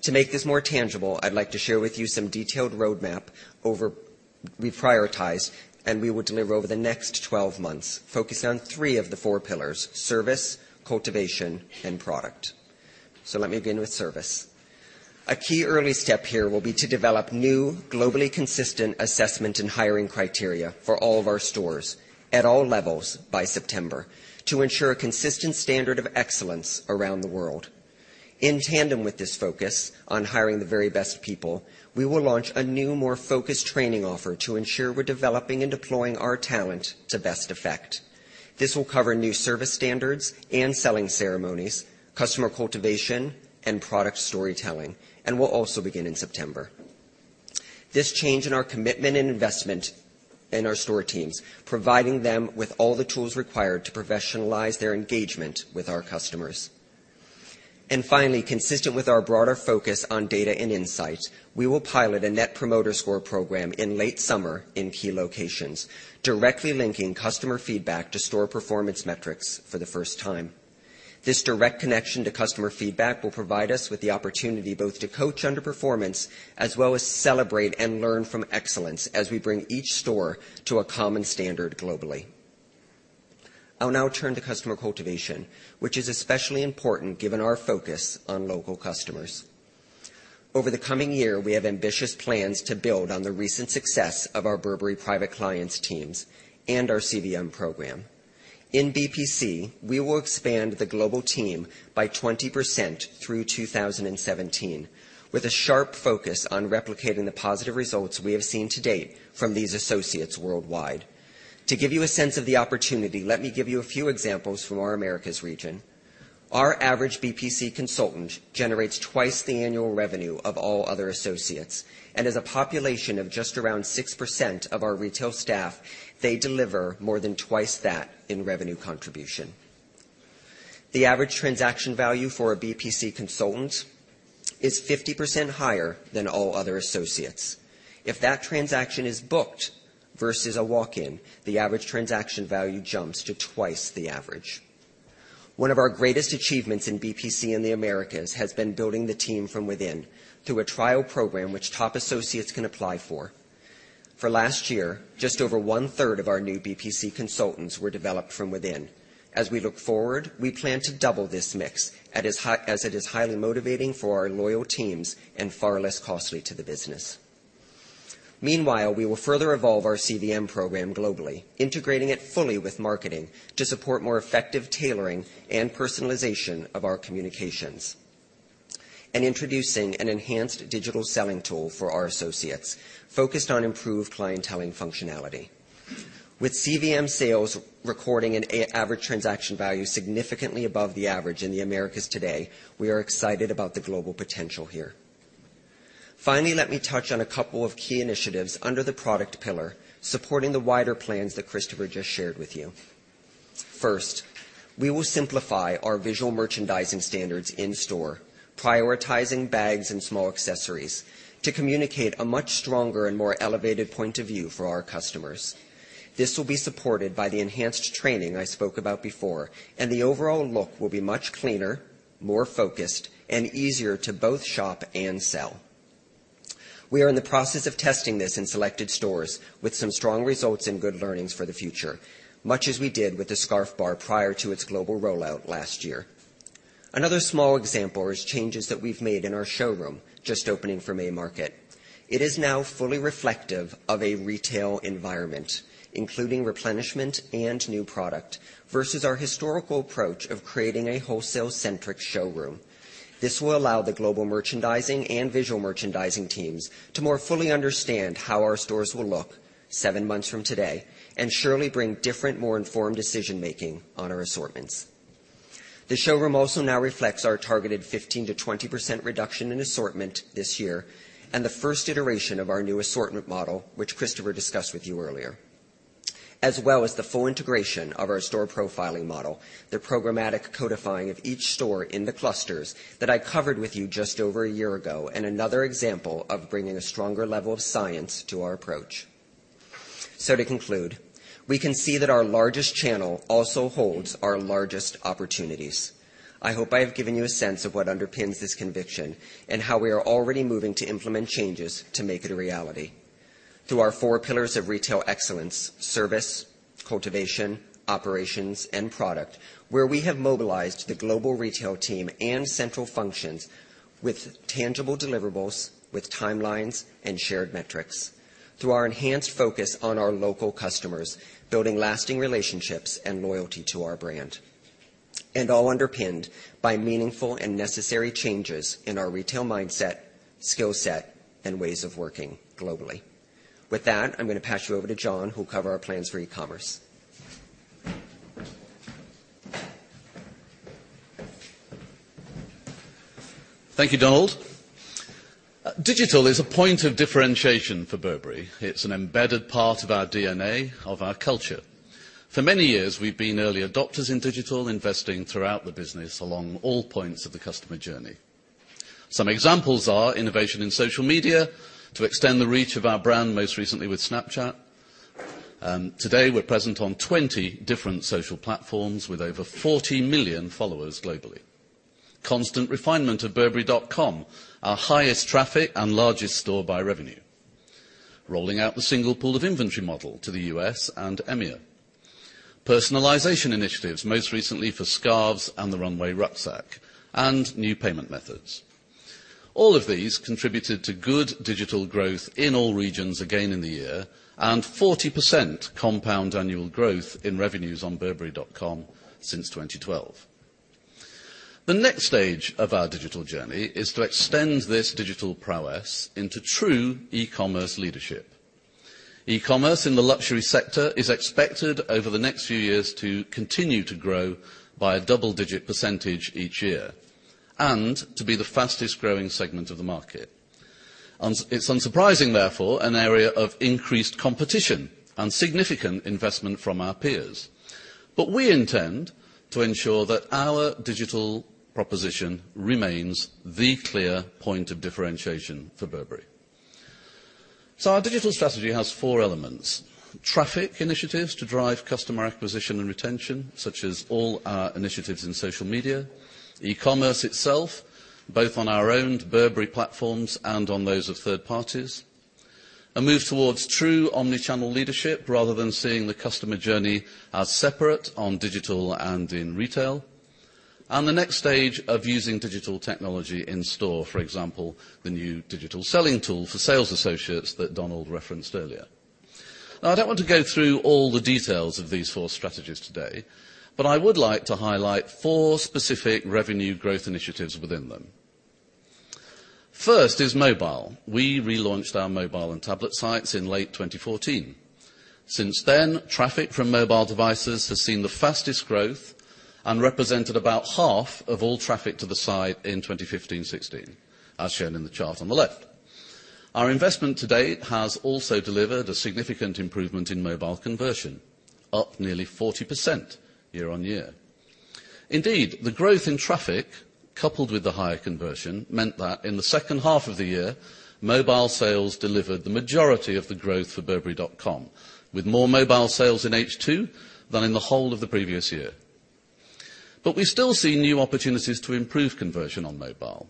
To make this more tangible, I'd like to share with you some detailed roadmap we prioritized and we will deliver over the next 12 months, focused on three of the four pillars: service, cultivation, and product. Let me begin with service. A key early step here will be to develop new globally consistent assessment and hiring criteria for all of our stores at all levels by September to ensure a consistent standard of excellence around the world. In tandem with this focus on hiring the very best people, we will launch a new, more focused training offer to ensure we're developing and deploying our talent to best effect. This will cover new service standards and selling ceremonies, customer cultivation, and product storytelling, and will also begin in September. This change in our commitment and investment in our store teams, providing them with all the tools required to professionalize their engagement with our customers. Finally, consistent with our broader focus on data and insight, we will pilot a Net Promoter Score program in late summer in key locations, directly linking customer feedback to store performance metrics for the first time. This direct connection to customer feedback will provide us with the opportunity both to coach underperformance as well as celebrate and learn from excellence as we bring each store to a common standard globally. I'll now turn to customer cultivation, which is especially important given our focus on local customers. Over the coming year, we have ambitious plans to build on the recent success of our Burberry Private Clients teams and our CVM program. In BPC, we will expand the global team by 20% through 2017, with a sharp focus on replicating the positive results we have seen to date from these associates worldwide. To give you a sense of the opportunity, let me give you a few examples from our Americas region. Our average BPC consultant generates twice the annual revenue of all other associates, and as a population of just around 6% of our retail staff, they deliver more than twice that in revenue contribution. The average transaction value for a BPC consultant is 50% higher than all other associates. If that transaction is booked versus a walk-in, the average transaction value jumps to twice the average. One of our greatest achievements in BPC in the Americas has been building the team from within through a trial program which top associates can apply for. For last year, just over one-third of our new BPC consultants were developed from within. As we look forward, we plan to double this mix, as it is highly motivating for our loyal teams and far less costly to the business. Meanwhile, we will further evolve our CVM program globally, integrating it fully with marketing to support more effective tailoring and personalization of our communications, and introducing an enhanced digital selling tool for our associates focused on improved clienteling functionality. With CVM sales recording an average transaction value significantly above the average in the Americas today, we are excited about the global potential here. Let me touch on a couple of key initiatives under the product pillar supporting the wider plans that Christopher just shared with you. First, we will simplify our visual merchandising standards in-store, prioritizing bags and small accessories to communicate a much stronger and more elevated point of view for our customers. This will be supported by the enhanced training I spoke about before, and the overall look will be much cleaner, more focused, and easier to both shop and sell. We are in the process of testing this in selected stores with some strong results and good learnings for the future, much as we did with the Scarf Bar prior to its global rollout last year. Another small example is changes that we've made in our showroom just opening for May market. It is now fully reflective of a retail environment, including replenishment and new product versus our historical approach of creating a wholesale-centric showroom. This will allow the global merchandising and visual merchandising teams to more fully understand how our stores will look seven months from today and surely bring different, more informed decision-making on our assortments. The showroom also now reflects our targeted 15%-20% reduction in assortment this year and the first iteration of our new assortment model, which Christopher discussed with you earlier, as well as the full integration of our store profiling model, the programmatic codifying of each store in the clusters that I covered with you just over a year ago and another example of bringing a stronger level of science to our approach. To conclude, we can see that our largest channel also holds our largest opportunities. I hope I have given you a sense of what underpins this conviction and how we are already moving to implement changes to make it a reality through our four pillars of retail excellence, service, cultivation, operations, and product, where we have mobilized the global retail team and central functions with tangible deliverables with timelines and shared metrics through our enhanced focus on our local customers, building lasting relationships and loyalty to our brand, and all underpinned by meaningful and necessary changes in our retail mindset, skill set, and ways of working globally. With that, I'm going to pass you over to John, who'll cover our plans for e-commerce. Thank you, Donald. Digital is a point of differentiation for Burberry. It's an embedded part of our DNA, of our culture. For many years, we've been early adopters in digital, investing throughout the business along all points of the customer journey. Some examples are innovation in social media to extend the reach of our brand, most recently with Snapchat. Today, we're present on 20 different social platforms with over 40 million followers globally. Constant refinement of burberry.com, our highest traffic and largest store by revenue. Rolling out the single pool of inventory model to the U.S. and EMEA. Personalization initiatives, most recently for scarves and the monogrammable rucksack, and new payment methods. All of these contributed to good digital growth in all regions again in the year and 40% compound annual growth in revenues on burberry.com since 2012. The next stage of our digital journey is to extend this digital prowess into true e-commerce leadership. E-commerce in the luxury sector is expected over the next few years to continue to grow by a double-digit percentage each year and to be the fastest-growing segment of the market. It's unsurprising, therefore, an area of increased competition and significant investment from our peers. We intend to ensure that our digital proposition remains the clear point of differentiation for Burberry. Our digital strategy has four elements. Traffic initiatives to drive customer acquisition and retention, such as all our initiatives in social media. E-commerce itself, both on our own Burberry platforms and on those of third parties. A move towards true omni-channel leadership rather than seeing the customer journey as separate on digital and in retail. The next stage of using digital technology in-store, for example, the new digital selling tool for sales associates that Donald referenced earlier. I don't want to go through all the details of these four strategies today, I would like to highlight four specific revenue growth initiatives within them. First is mobile. We relaunched our mobile and tablet sites in late 2014. Since then, traffic from mobile devices has seen the fastest growth and represented about half of all traffic to the site in 2015/16, as shown in the chart on the left. Our investment to date has also delivered a significant improvement in mobile conversion, up nearly 40% year-on-year. Indeed, the growth in traffic, coupled with the higher conversion, meant that in the second half of the year, mobile sales delivered the majority of the growth for burberry.com, with more mobile sales in H2 than in the whole of the previous year. We still see new opportunities to improve conversion on mobile,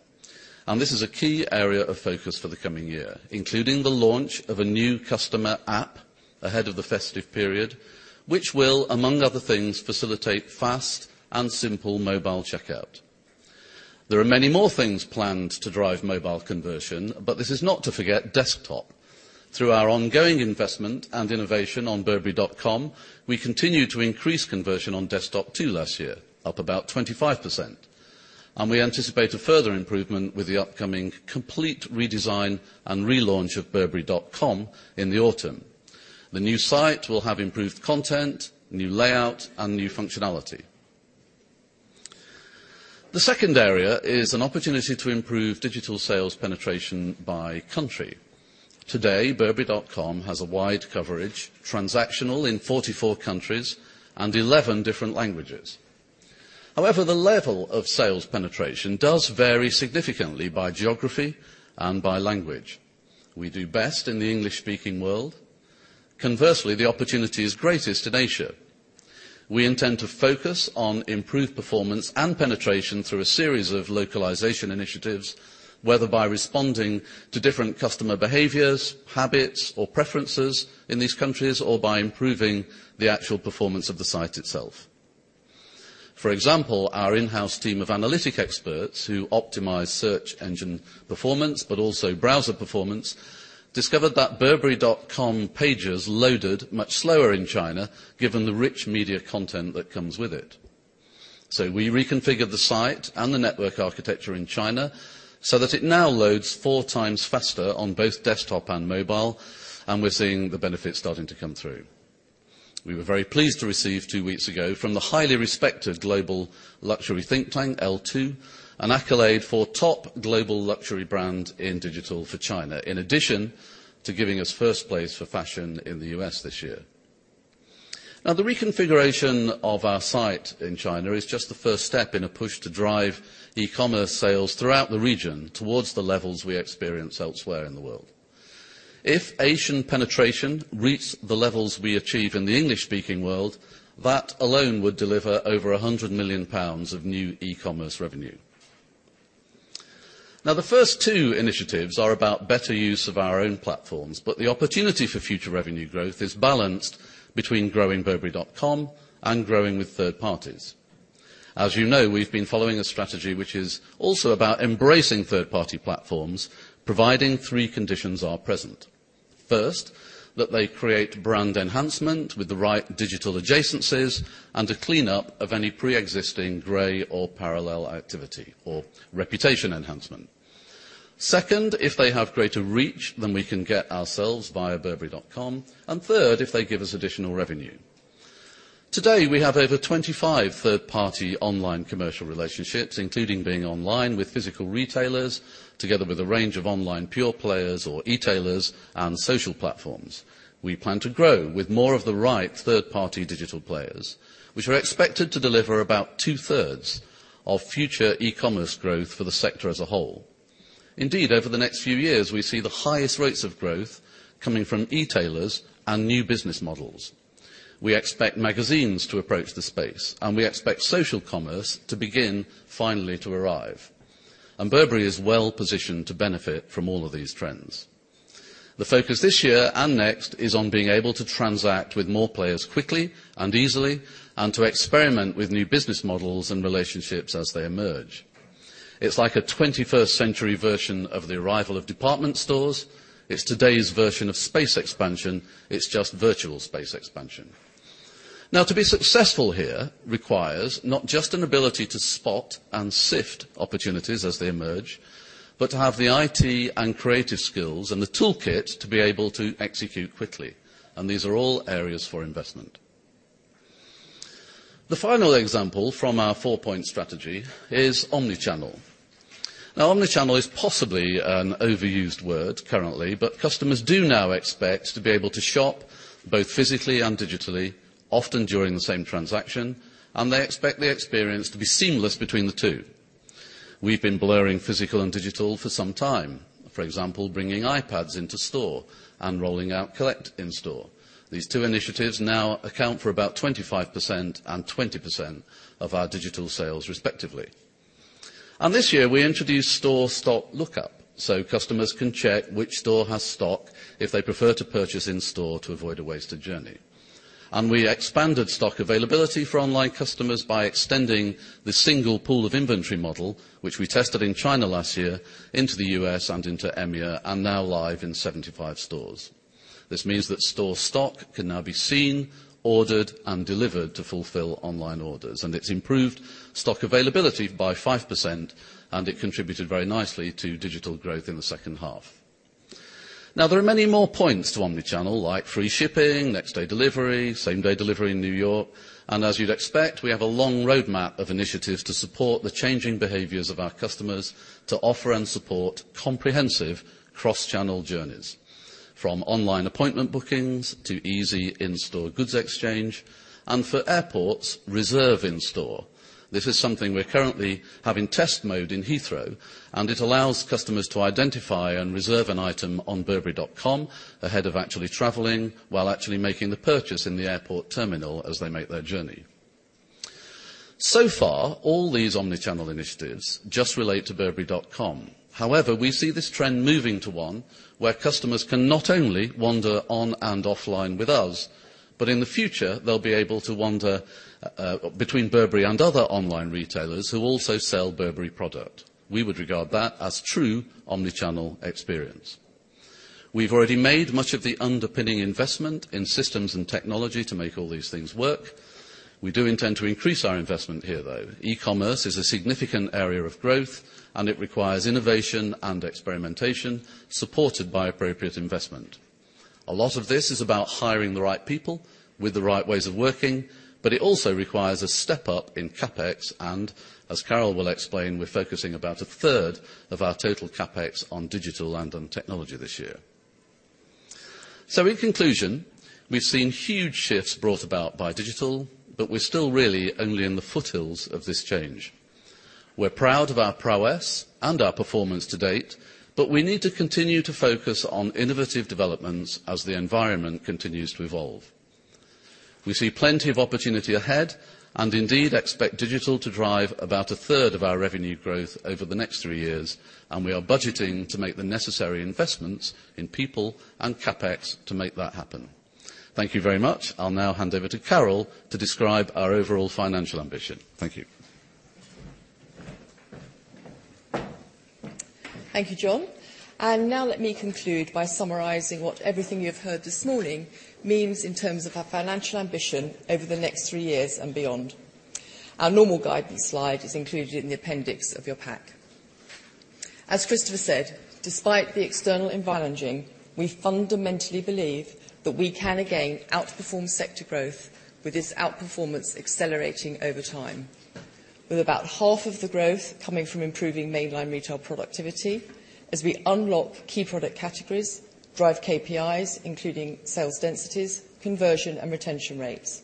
this is a key area of focus for the coming year, including the launch of a new customer app ahead of the festive period, which will, among other things, facilitate fast and simple mobile checkout. There are many more things planned to drive mobile conversion, this is not to forget desktop. Through our ongoing investment and innovation on burberry.com, we continued to increase conversion on desktop too last year, up about 25%, we anticipate a further improvement with the upcoming complete redesign and relaunch of burberry.com in the autumn. The new site will have improved content, new layout, and new functionality. The second area is an opportunity to improve digital sales penetration by country. Today, burberry.com has a wide coverage, transactional in 44 countries and 11 different languages. However, the level of sales penetration does vary significantly by geography and by language. We do best in the English-speaking world. Conversely, the opportunity is greatest in Asia. We intend to focus on improved performance and penetration through a series of localization initiatives, whether by responding to different customer behaviors, habits, or preferences in these countries, or by improving the actual performance of the site itself. For example, our in-house team of analytic experts who optimize search engine performance but also browser performance discovered that burberry.com pages loaded much slower in China, given the rich media content that comes with it. We reconfigured the site and the network architecture in China so that it now loads four times faster on both desktop and mobile, and we're seeing the benefits starting to come through. We were very pleased to receive, two weeks ago, from the highly respected global luxury think tank, L2, an accolade for top global luxury brand in digital for China. In addition to giving us first place for fashion in the U.S. this year. The reconfiguration of our site in China is just the first step in a push to drive e-commerce sales throughout the region towards the levels we experience elsewhere in the world. If Asian penetration reached the levels we achieve in the English-speaking world, that alone would deliver over 100 million pounds of new e-commerce revenue. The first two initiatives are about better use of our own platforms, but the opportunity for future revenue growth is balanced between growing burberry.com and growing with third parties. As you know, we've been following a strategy which is also about embracing third-party platforms, providing three conditions are present. First, that they create brand enhancement with the right digital adjacencies and a cleanup of any preexisting gray or parallel activity or reputation enhancement. Second, if they have greater reach, then we can get ourselves via burberry.com. Third, if they give us additional revenue. Today, we have over 25 third-party online commercial relationships, including being online with physical retailers, together with a range of online pure players or e-tailers and social platforms. We plan to grow with more of the right third-party digital players, which are expected to deliver about two-thirds of future e-commerce growth for the sector as a whole. Indeed, over the next few years, we see the highest rates of growth coming from e-tailers and new business models. We expect magazines to approach the space, and we expect social commerce to begin finally to arrive. Burberry is well positioned to benefit from all of these trends. The focus this year and next is on being able to transact with more players quickly and easily and to experiment with new business models and relationships as they emerge. It's like a 21st century version of the arrival of department stores. It's today's version of space expansion. It's just virtual space expansion. To be successful here requires not just an ability to spot and sift opportunities as they emerge, but to have the IT and creative skills and the toolkit to be able to execute quickly. These are all areas for investment. The final example from our four-point strategy is omni-channel. Omni-channel is possibly an overused word currently, but customers do now expect to be able to shop both physically and digitally, often during the same transaction, and they expect the experience to be seamless between the two. We've been blurring physical and digital for some time. For example, bringing iPads into store and rolling out collect in store. These two initiatives now account for about 25% and 20% of our digital sales, respectively. This year, we introduced store stock lookup so customers can check which store has stock if they prefer to purchase in store to avoid a wasted journey. We expanded stock availability for online customers by extending the single pool of inventory model, which we tested in China last year, into the U.S. and into EMEA, and now live in 75 stores. This means that store stock can now be seen, ordered, and delivered to fulfill online orders, and it's improved stock availability by 5%, and it contributed very nicely to digital growth in the second half. There are many more points to omni-channel, like free shipping, next day delivery, same day delivery in New York. As you'd expect, we have a long roadmap of initiatives to support the changing behaviors of our customers to offer and support comprehensive cross-channel journeys, from online appointment bookings to easy in-store goods exchange. For airports, reserve in store. This is something we're currently having test mode in Heathrow, and it allows customers to identify and reserve an item on burberry.com ahead of actually traveling, while actually making the purchase in the airport terminal as they make their journey. So far, all these omni-channel initiatives just relate to burberry.com. However, we see this trend moving to one where customers can not only wander on and offline with us, but in the future, they'll be able to wander between Burberry and other online retailers who also sell Burberry product. We would regard that as true omni-channel experience. We've already made much of the underpinning investment in systems and technology to make all these things work. We do intend to increase our investment here, though. E-commerce is a significant area of growth, and it requires innovation and experimentation, supported by appropriate investment. A lot of this is about hiring the right people with the right ways of working, but it also requires a step up in CapEx and, as Carol will explain, we're focusing about a third of our total CapEx on digital and on technology this year. In conclusion, we've seen huge shifts brought about by digital, but we're still really only in the foothills of this change. We're proud of our prowess and our performance to date, but we need to continue to focus on innovative developments as the environment continues to evolve. We see plenty of opportunity ahead and indeed expect digital to drive about a third of our revenue growth over the next three years, and we are budgeting to make the necessary investments in people and CapEx to make that happen. Thank you very much. I'll now hand over to Carol to describe our overall financial ambition. Thank you. Thank you, John. Now let me conclude by summarizing what everything you've heard this morning means in terms of our financial ambition over the next three years and beyond. Our normal guidance slide is included in the appendix of your pack. As Christopher said, despite the external environment, we fundamentally believe that we can again outperform sector growth, with this outperformance accelerating over time. With about half of the growth coming from improving mainline retail productivity as we unlock key product categories, drive KPIs including sales densities, conversion, and retention rates.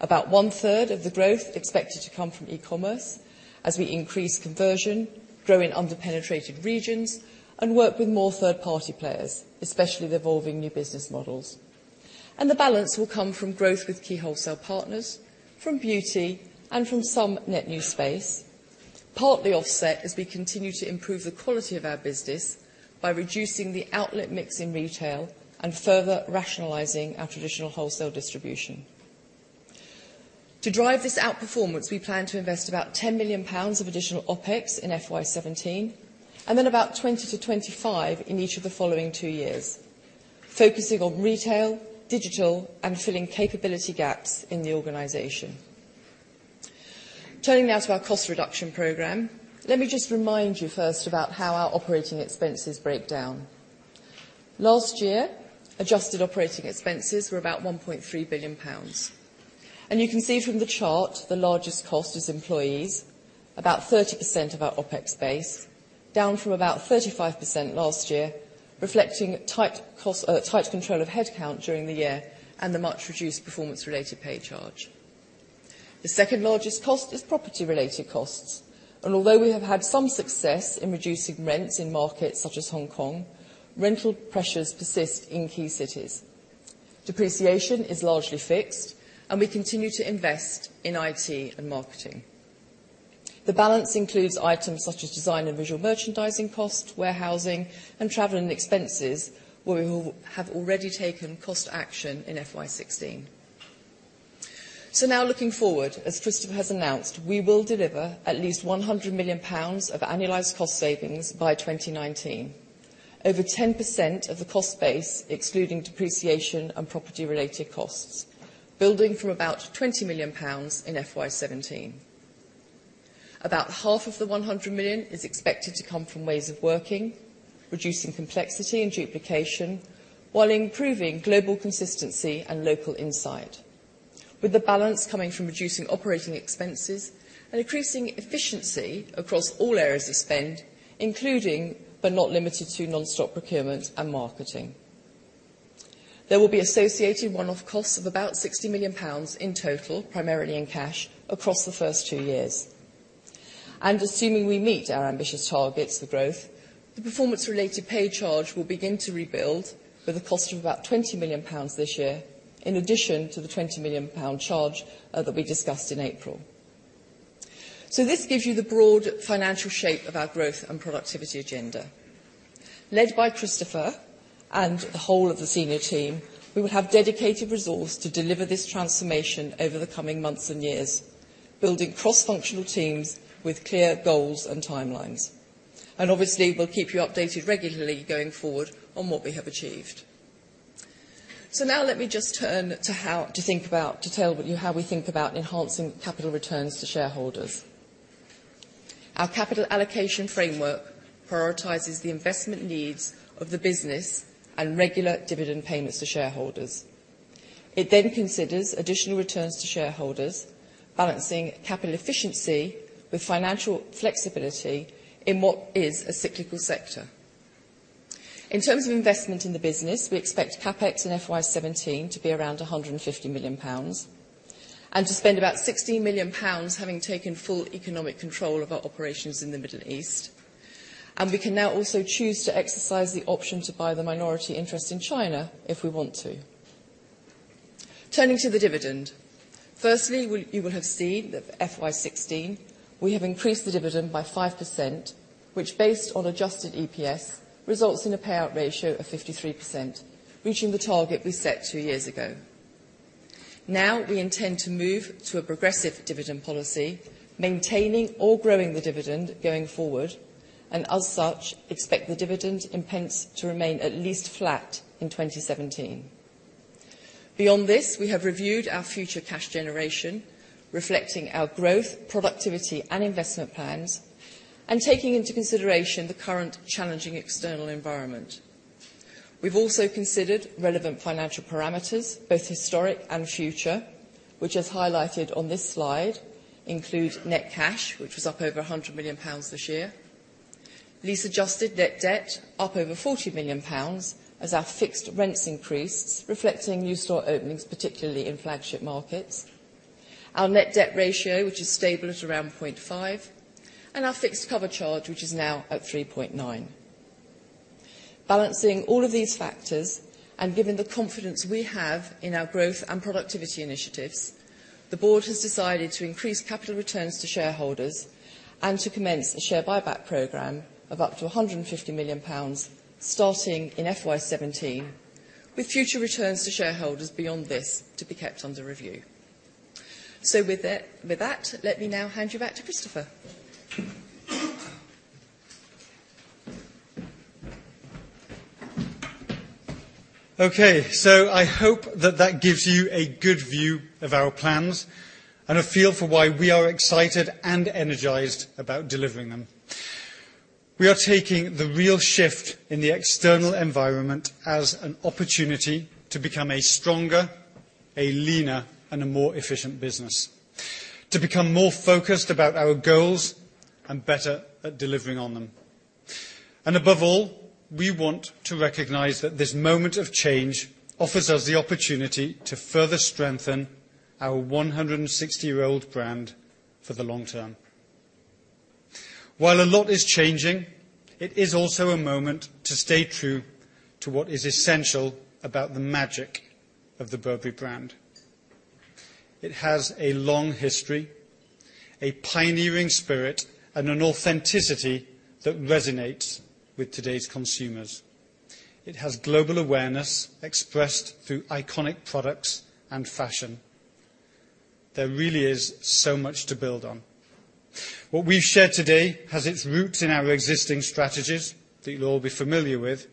About one third of the growth expected to come from e-commerce as we increase conversion, grow in under-penetrated regions, and work with more third-party players, especially the evolving new business models. The balance will come from growth with key wholesale partners, from beauty, and from some net new space, partly offset as we continue to improve the quality of our business by reducing the outlet mix in retail and further rationalizing our traditional wholesale distribution. To drive this outperformance, we plan to invest about 10 million pounds of additional OpEx in FY 2017, then about 20-25 in each of the following two years, focusing on retail, digital, and filling capability gaps in the organization. Turning now to our cost reduction program, let me just remind you first about how our operating expenses break down. Last year, adjusted operating expenses were about 1.3 billion pounds. You can see from the chart the largest cost is employees, about 30% of our OpEx base, down from about 35% last year, reflecting tight control of headcount during the year and the much reduced performance-related pay charge. The second largest cost is property-related costs. Although we have had some success in reducing rents in markets such as Hong Kong, rental pressures persist in key cities. Depreciation is largely fixed, and we continue to invest in IT and marketing. The balance includes items such as design and visual merchandising cost, warehousing, and travel and expenses, where we have already taken cost action in FY 2016. Now looking forward, as Christopher has announced, we will deliver at least 100 million pounds of annualized cost savings by 2019, over 10% of the cost base, excluding depreciation and property-related costs, building from about 20 million pounds in FY 2017. About half of the 100 million is expected to come from ways of working, reducing complexity and duplication while improving global consistency and local insight. With the balance coming from reducing operating expenses and increasing efficiency across all areas of spend, including but not limited to non-stock procurement and marketing. There will be associated one-off costs of about 60 million pounds in total, primarily in cash, across the first two years. Assuming we meet our ambitious targets for growth, the performance-related pay charge will begin to rebuild with a cost of about 20 million pounds this year, in addition to the 20 million pound charge that we discussed in April. This gives you the broad financial shape of our growth and productivity agenda. Led by Christopher and the whole of the senior team, we will have dedicated resource to deliver this transformation over the coming months and years, building cross-functional teams with clear goals and timelines. Obviously, we'll keep you updated regularly going forward on what we have achieved. Now let me just turn to how to think about, to tell you how we think about enhancing capital returns to shareholders. Our capital allocation framework prioritizes the investment needs of the business and regular dividend payments to shareholders. It then considers additional returns to shareholders, balancing capital efficiency with financial flexibility in what is a cyclical sector. In terms of investment in the business, we expect CapEx in FY 2017 to be around 150 million pounds, and to spend about 16 million pounds, having taken full economic control of our operations in the Middle East. We can now also choose to exercise the option to buy the minority interest in China if we want to. Turning to the dividend, firstly, you will have seen that FY 2016, we have increased the dividend by 5%, which, based on adjusted EPS, results in a payout ratio of 53%, reaching the target we set two years ago. We intend to move to a progressive dividend policy, maintaining or growing the dividend going forward, and as such, expect the dividend in pence to remain at least flat in 2017. Beyond this, we have reviewed our future cash generation, reflecting our growth, productivity, and investment plans, and taking into consideration the current challenging external environment. We've also considered relevant financial parameters, both historic and future, which, as highlighted on this slide, include net cash, which was up over 100 million pounds this year. Lease adjusted net debt up over 40 million pounds as our fixed rents increased, reflecting new store openings, particularly in flagship markets. Our net debt ratio, which is stable at around 0.5, and our fixed charge cover, which is now at 3.9. Balancing all of these factors and given the confidence we have in our growth and productivity initiatives, the board has decided to increase capital returns to shareholders and to commence a share buyback program of up to 150 million pounds, starting in FY 2017, with future returns to shareholders beyond this to be kept under review. With that, let me now hand you back to Christopher. Okay, I hope that that gives you a good view of our plans and a feel for why we are excited and energized about delivering them. We are taking the real shift in the external environment as an opportunity to become a stronger, a leaner, and a more efficient business. To become more focused about our goals and better at delivering on them. Above all, we want to recognize that this moment of change offers us the opportunity to further strengthen our 160-year-old brand for the long term. While a lot is changing, it is also a moment to stay true to what is essential about the magic of the Burberry brand. It has a long history, a pioneering spirit, and an authenticity that resonates with today's consumers. It has global awareness expressed through iconic products and fashion. There really is so much to build on. What we've shared today has its roots in our existing strategies that you will all be familiar with.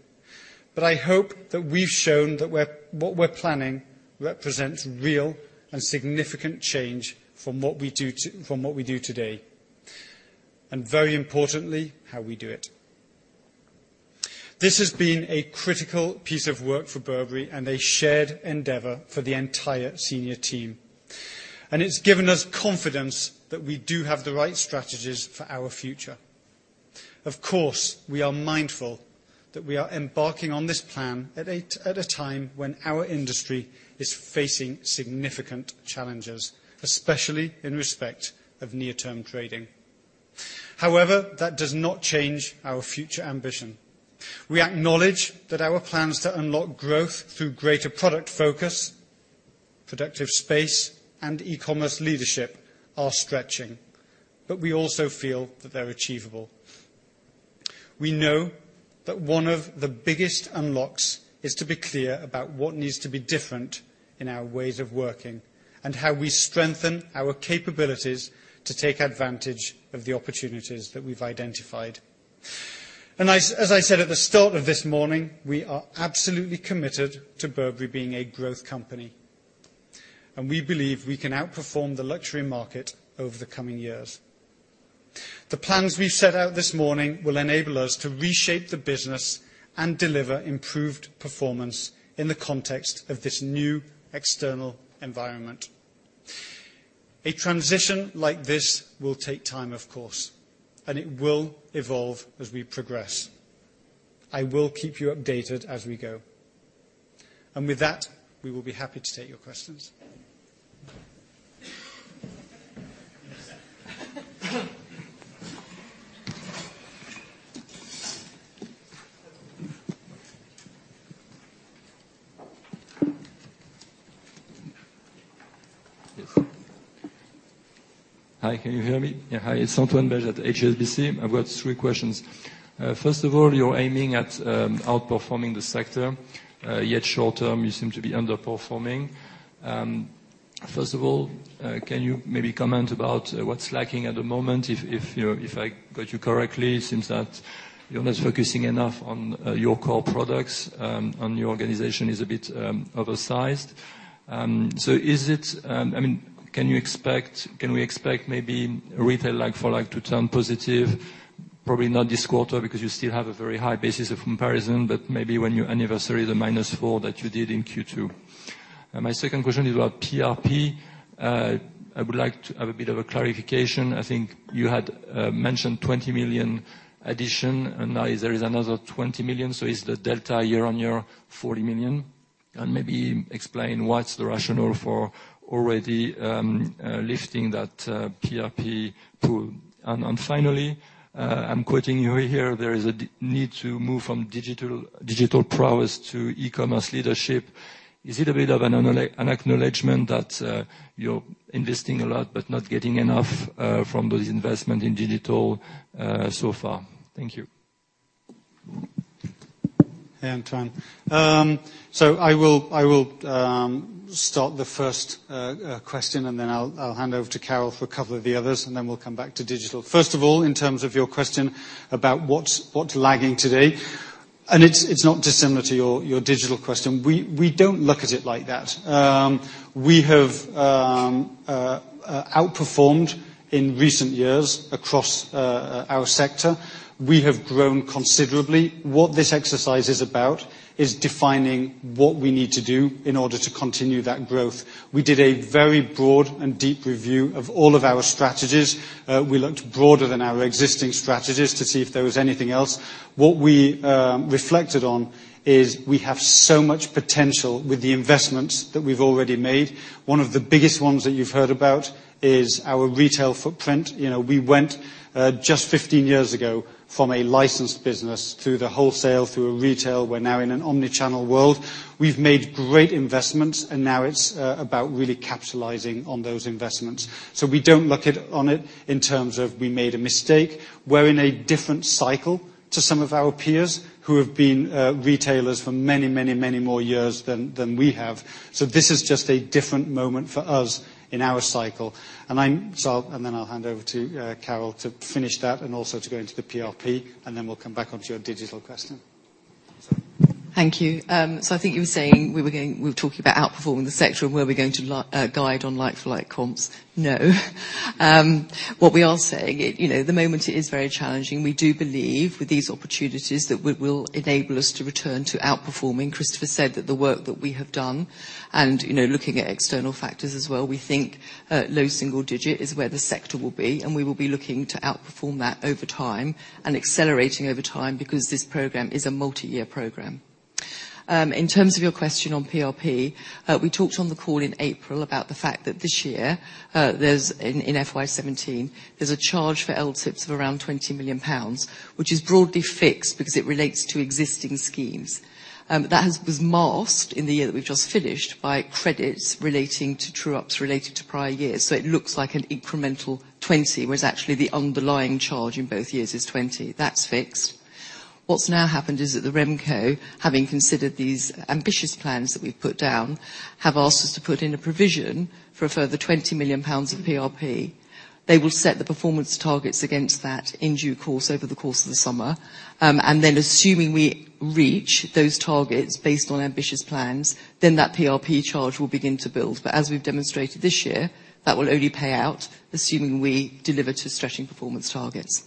I hope that we've shown that what we're planning represents real and significant change from what we do today, and very importantly, how we do it. This has been a critical piece of work for Burberry and a shared endeavor for the entire senior team. It's given us confidence that we do have the right strategies for our future. Of course, we are mindful that we are embarking on this plan at a time when our industry is facing significant challenges, especially in respect of near-term trading. However, that does not change our future ambition. We acknowledge that our plans to unlock growth through greater product focus, productive space, and e-commerce leadership are stretching, but we also feel that they're achievable. We know that one of the biggest unlocks is to be clear about what needs to be different in our ways of working and how we strengthen our capabilities to take advantage of the opportunities that we've identified. As I said at the start of this morning, we are absolutely committed to Burberry being a growth company, and we believe we can outperform the luxury market over the coming years. The plans we've set out this morning will enable us to reshape the business and deliver improved performance in the context of this new external environment. A transition like this will take time, of course, and it will evolve as we progress. I will keep you updated as we go. With that, we will be happy to take your questions. Yes. Hi, can you hear me? Yeah, hi. It's Antoine Belge at HSBC. I've got three questions. First of all, you're aiming at outperforming the sector, yet short term you seem to be underperforming. First of all, can you maybe comment about what's lacking at the moment? If I got you correctly, it seems that you're not focusing enough on your core products and your organization is a bit oversized. Can we expect maybe retail like for like to turn positive? Probably not this quarter because you still have a very high basis of comparison, but maybe when you anniversary the -4% that you did in Q2. My second question is about PRP. I would like to have a bit of a clarification. I think you had mentioned 20 million addition and now there is another 20 million, so is the delta year-on-year 40 million? Maybe explain what's the rationale for already lifting that PRP pool. Finally, I'm quoting you here, there is a need to move from digital prowess to e-commerce leadership. Is it a bit of an acknowledgement that you're investing a lot but not getting enough from those investment in digital so far? Thank you. Hey, Antoine. I will start the first question, then I'll hand over to Carol for a couple of the others, then we'll come back to digital. First of all, in terms of your question about what's lagging today, it's not dissimilar to your digital question. We don't look at it like that. We have outperformed in recent years across our sector. We have grown considerably. What this exercise is about is defining what we need to do in order to continue that growth. We did a very broad and deep review of all of our strategies. We looked broader than our existing strategies to see if there was anything else. What we reflected on is we have so much potential with the investments that we've already made. One of the biggest ones that you've heard about is our retail footprint. We went, just 15 years ago, from a licensed business through the wholesale, through a retail. We're now in an omni-channel world. We've made great investments, now it's about really capitalizing on those investments. We don't look on it in terms of we made a mistake. We're in a different cycle to some of our peers who have been retailers for many more years than we have. This is just a different moment for us in our cycle. Then I'll hand over to Carol to finish that also to go into the PRP, then we'll come back onto your digital question. Thank you. I think you were saying we were talking about outperforming the sector were we going to guide on like-for-like comps? No. What we are saying, at the moment it is very challenging. We do believe with these opportunities that it will enable us to return to outperforming. Christopher said that the work that we have done looking at external factors as well, we think low single digit is where the sector will be, we will be looking to outperform that over time accelerating over time because this program is a multi-year program. In terms of your question on PRP, we talked on the call in April about the fact that this year, in FY 2017, there's a charge for LTIPs of around 20 million pounds, which is broadly fixed because it relates to existing schemes. That was masked in the year that we've just finished by credits relating to true-ups related to prior years. It looks like an incremental 20, whereas actually the underlying charge in both years is 20. That's fixed. What's now happened is that the Remco, having considered these ambitious plans that we've put down, have asked us to put in a provision for a further 20 million pounds of PRP. They will set the performance targets against that in due course over the course of the summer. Assuming we reach those targets based on ambitious plans, then that PRP charge will begin to build. As we've demonstrated this year, that will only pay out assuming we deliver to stretching performance targets.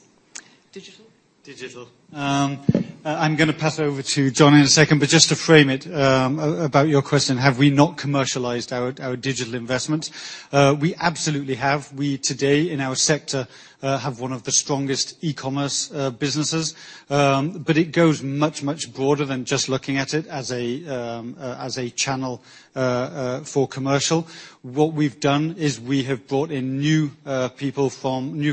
Digital? Digital. I'm going to pass over to John in a second, but just to frame it, about your question, have we not commercialized our digital investment? We absolutely have. We today in our sector have one of the strongest e-commerce businesses. It goes much broader than just looking at it as a channel for commercial. What we've done is we have brought in new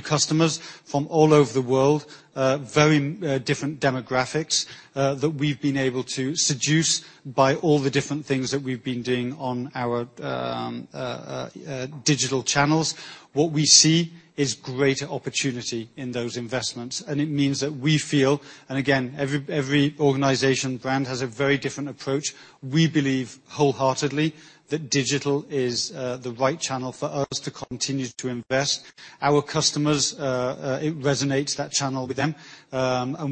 customers from all over the world, very different demographics, that we've been able to seduce by all the different things that we've been doing on our digital channels. What we see is greater opportunity in those investments. It means that we feel, and again, every organization brand has a very different approach. We believe wholeheartedly that digital is the right channel for us to continue to invest. Our customers, it resonates that channel with them.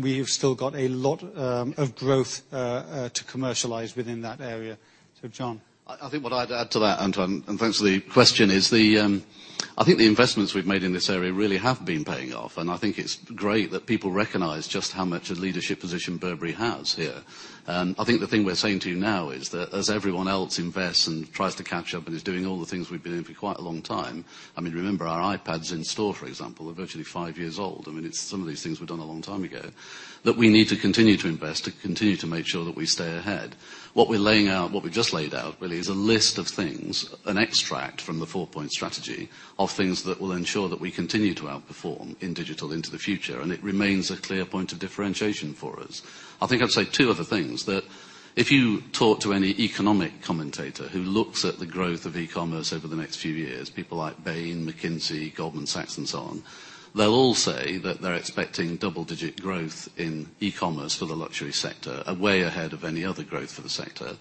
We've still got a lot of growth to commercialize within that area. John. I think what I'd add to that, Antoine, and thanks for the question, is I think the investments we've made in this area really have been paying off, and I think it's great that people recognize just how much a leadership position Burberry has here. I think the thing we're saying to you now is that as everyone else invests and tries to catch up and is doing all the things we've been doing for quite a long time, I mean, remember, our iPads in store, for example, are virtually five years old. I mean, some of these things were done a long time ago. We need to continue to invest, to continue to make sure that we stay ahead. What we just laid out really is a list of things, an extract from the four point strategy of things that will ensure that we continue to outperform in digital into the future, and it remains a clear point of differentiation for us. I think I'd say two other things. If you talk to any economic commentator who looks at the growth of e-commerce over the next few years, people like Bain, McKinsey, Goldman Sachs, and so on, they'll all say that they're expecting double-digit growth in e-commerce for the luxury sector, way ahead of any other growth for the sector.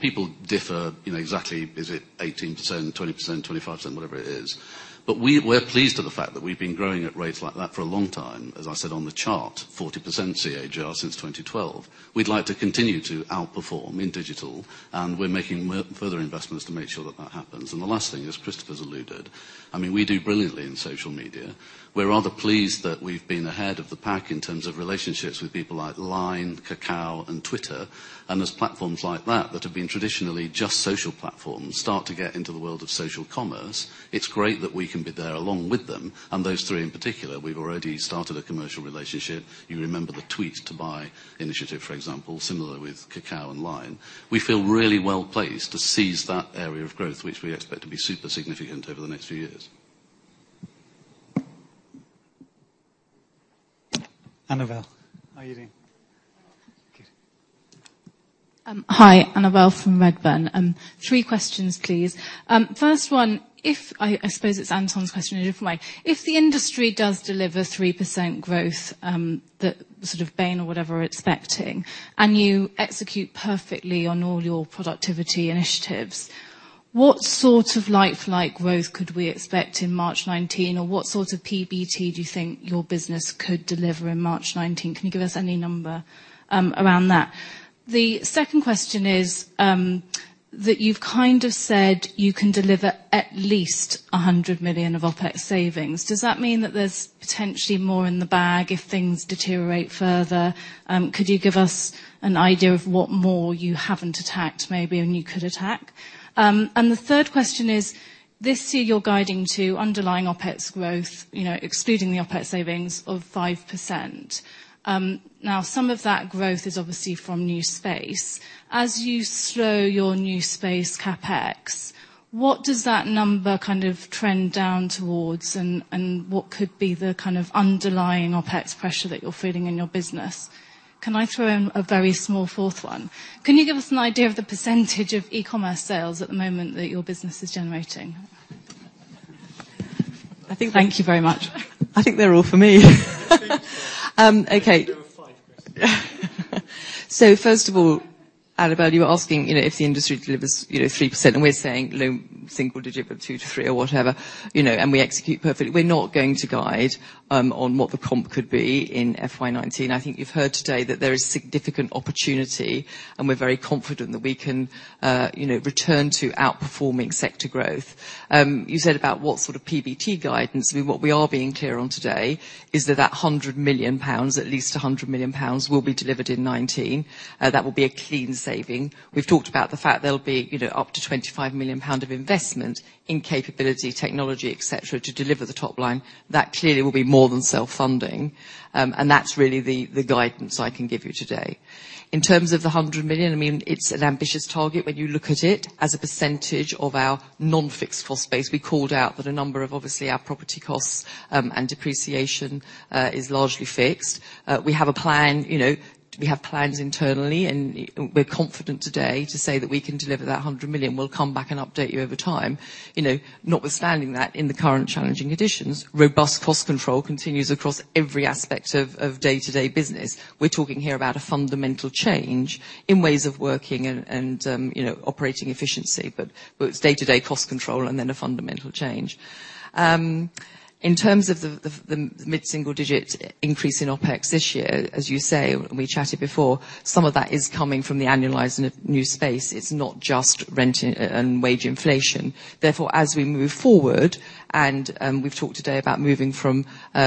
People differ exactly, is it 18%, 20%, 25%, whatever it is. We're pleased with the fact that we've been growing at rates like that for a long time. As I said on the chart, 40% CAGR since 2012. We'd like to continue to outperform in digital, and we're making further investments to make sure that that happens. The last thing, as Christopher's alluded, I mean, we do brilliantly in social media. We're rather pleased that we've been ahead of the pack in terms of relationships with people like Line, Kakao, and Twitter. As platforms like that have been traditionally just social platforms, start to get into the world of social commerce, it's great that we can be there along with them. Those three in particular, we've already started a commercial relationship. You remember the tweet to buy initiative, for example, similar with Kakao and Line. We feel really well-placed to seize that area of growth, which we expect to be super significant over the next few years. Annabel, how are you doing? Good. Hi, Annabel from Redburn. Three questions, please. First one, I suppose it's Antoine's question in a different way. If the industry does deliver 3% growth, that sort of Bain or whatever expecting, and you execute perfectly on all your productivity initiatives, what sort of like-for-like growth could we expect in March 2019? Or what sort of PBT do you think your business could deliver in March 2019? Can you give us any number around that? The second question is, that you've kind of said you can deliver at least 100 million of OpEx savings. Does that mean that there's potentially more in the bag if things deteriorate further? Could you give us an idea of what more you haven't attacked, maybe, and you could attack? The third question is, this year you're guiding to underlying OpEx growth, excluding the OpEx savings of 5%. Some of that growth is obviously from new space. As you slow your new space CapEx, what does that number kind of trend down towards, and what could be the kind of underlying OpEx pressure that you're feeling in your business? Can I throw in a very small fourth one? Can you give us an idea of the % of e-commerce sales at the moment that your business is generating? I think- Thank you very much. I think they're all for me. They're three questions. Okay. There are five questions. First of all, Annabel, you were asking if the industry delivers 3%, and we're saying low single digit, two to three or whatever, and we execute perfectly. We're not going to guide on what the comp could be in FY 2019. I think you've heard today that there is significant opportunity, and we're very confident that we can return to outperforming sector growth. You said about what sort of PBT guidance. I mean, what we are being clear on today is that that 100 million pounds, at least 100 million pounds, will be delivered in 2019. That will be a clean saving. We've talked about the fact there'll be up to 25 million pound of investment in capability, technology, et cetera, to deliver the top line. That clearly will be more than self-funding. That's really the guidance I can give you today. In terms of the 100 million, I mean, it's an ambitious target when you look at it as a % of our non-fixed cost base. We called out that a number of obviously our property costs and depreciation is largely fixed. We have plans internally, and we're confident today to say that we can deliver that 100 million. We'll come back and update you over time. Notwithstanding that, in the current challenging conditions, robust cost control continues across every aspect of day-to-day business. We're talking here about a fundamental change in ways of working and operating efficiency, but it's day-to-day cost control and then a fundamental change. In terms of the mid-single digit increase in OpEx this year, as you say, we chatted before, some of that is coming from the annualizing of new space. It's not just rent and wage inflation. Therefore, as we move forward, and we've talked today about moving from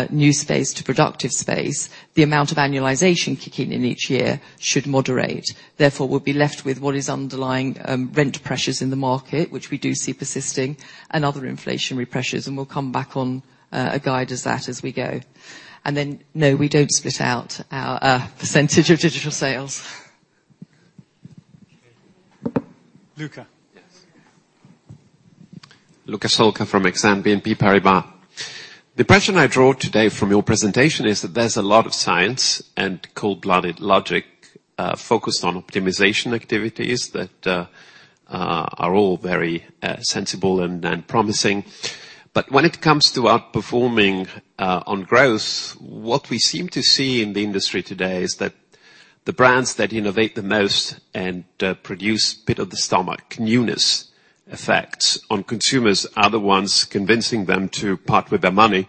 new space to productive space, the amount of annualization kicking in each year should moderate. Therefore, we'll be left with what is underlying rent pressures in the market, which we do see persisting, and other inflationary pressures. We'll come back on a guide as that as we go. Then, no, we don't split out our % of digital sales. Okay. Luca. Yes. Luca Solca from Exane BNP Paribas. The impression I draw today from your presentation is that there's a lot of science and cold-blooded logic focused on optimization activities that are all very sensible and promising. When it comes to outperforming on growth, what we seem to see in the industry today is that the brands that innovate the most and produce pit-of-the-stomach newness effects on consumers are the ones convincing them to part with their money.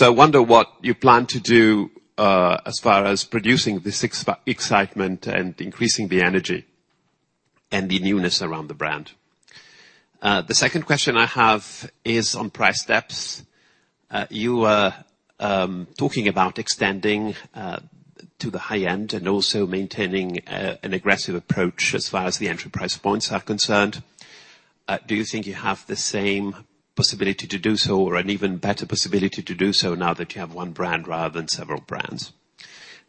I wonder what you plan to do, as far as producing this excitement and increasing the energy and the newness around the brand. The second question I have is on price steps. You are talking about extending to the high end and also maintaining an aggressive approach as far as the entry price points are concerned. Do you think you have the same possibility to do so or an even better possibility to do so now that you have one brand rather than several brands?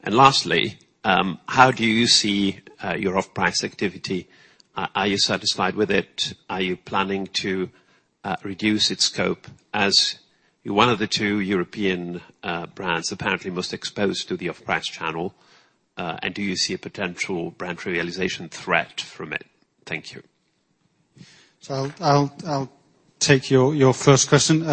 Lastly, how do you see your off-price activity? Are you satisfied with it? Are you planning to reduce its scope as one of the two European brands apparently most exposed to the off-price channel? Do you see a potential brand trivialization threat from it? Thank you. I'll take your first question.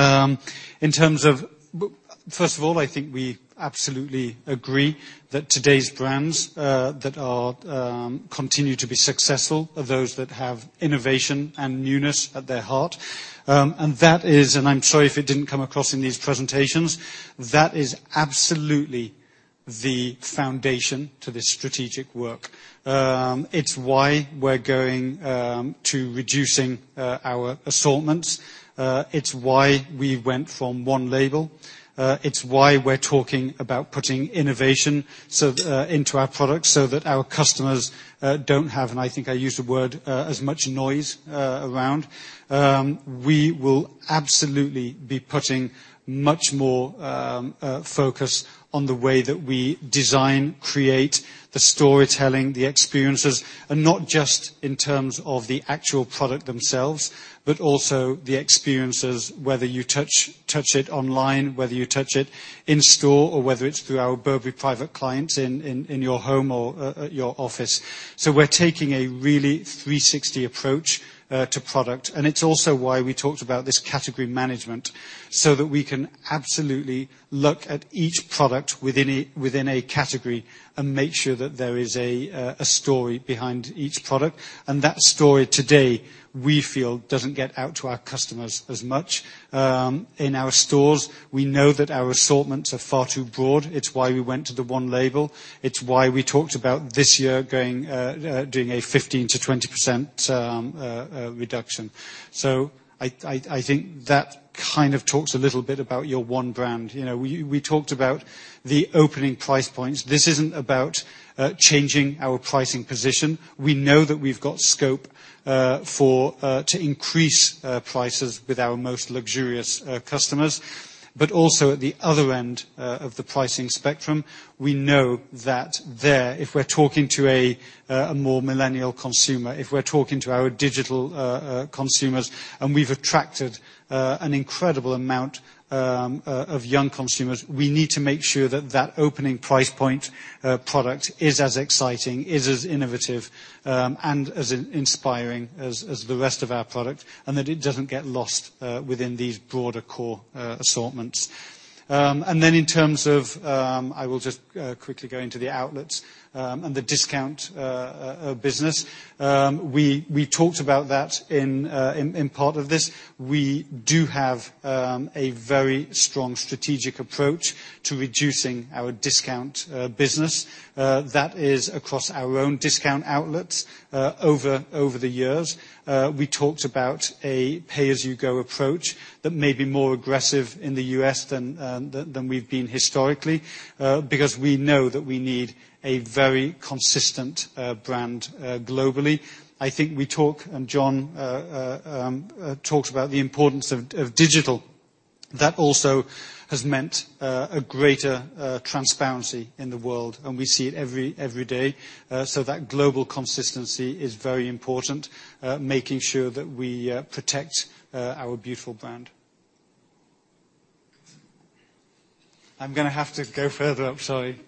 First of all, I think we absolutely agree that today's brands that continue to be successful are those that have innovation and newness at their heart. That is, and I'm sorry if it didn't come across in these presentations, that is absolutely the foundation to this strategic work. It's why we're going to reducing our assortments. It's why we went from one label. It's why we're talking about putting innovation into our products, so that our customers don't have, and I think I used the word, as much noise around. We will absolutely be putting much more focus on the way that we design, create, the storytelling, the experiences, not just in terms of the actual product themselves, but also the experiences, whether you touch it online, whether you touch it in store, or whether it is through our Burberry Private Clients in your home or at your office. We're taking a really 360 approach to product. It is also why we talked about this category management, so that we can absolutely look at each product within a category and make sure that there is a story behind each product. That story today, we feel doesn't get out to our customers as much. In our stores, we know that our assortments are far too broad. It is why we went to the one label. It is why we talked about this year doing a 15%-20% reduction. I think that kind of talks a little bit about your one brand. We talked about the opening price points. This isn't about changing our pricing position. We know that we've got scope to increase prices with our most luxurious customers. Also at the other end of the pricing spectrum, we know that there, if we're talking to a more millennial consumer, if we're talking to our digital consumers, and we've attracted an incredible amount of young consumers, we need to make sure that that opening price point product is as exciting, is as innovative, and as inspiring as the rest of our product, and that it doesn't get lost within these broader core assortments. In terms of, I will just quickly go into the outlets, and the discount business. We talked about that in part of this. We do have a very strong strategic approach to reducing our discount business. That is across our own discount outlets. Over the years, we talked about a pay-as-you-go approach that may be more aggressive in the U.S. than we've been historically, because we know that we need a very consistent brand globally. I think we talk, and John talks about the importance of digital. That also has meant a greater transparency in the world, and we see it every day. That global consistency is very important, making sure that we protect our beautiful brand. I'm going to have to go further up, sorry.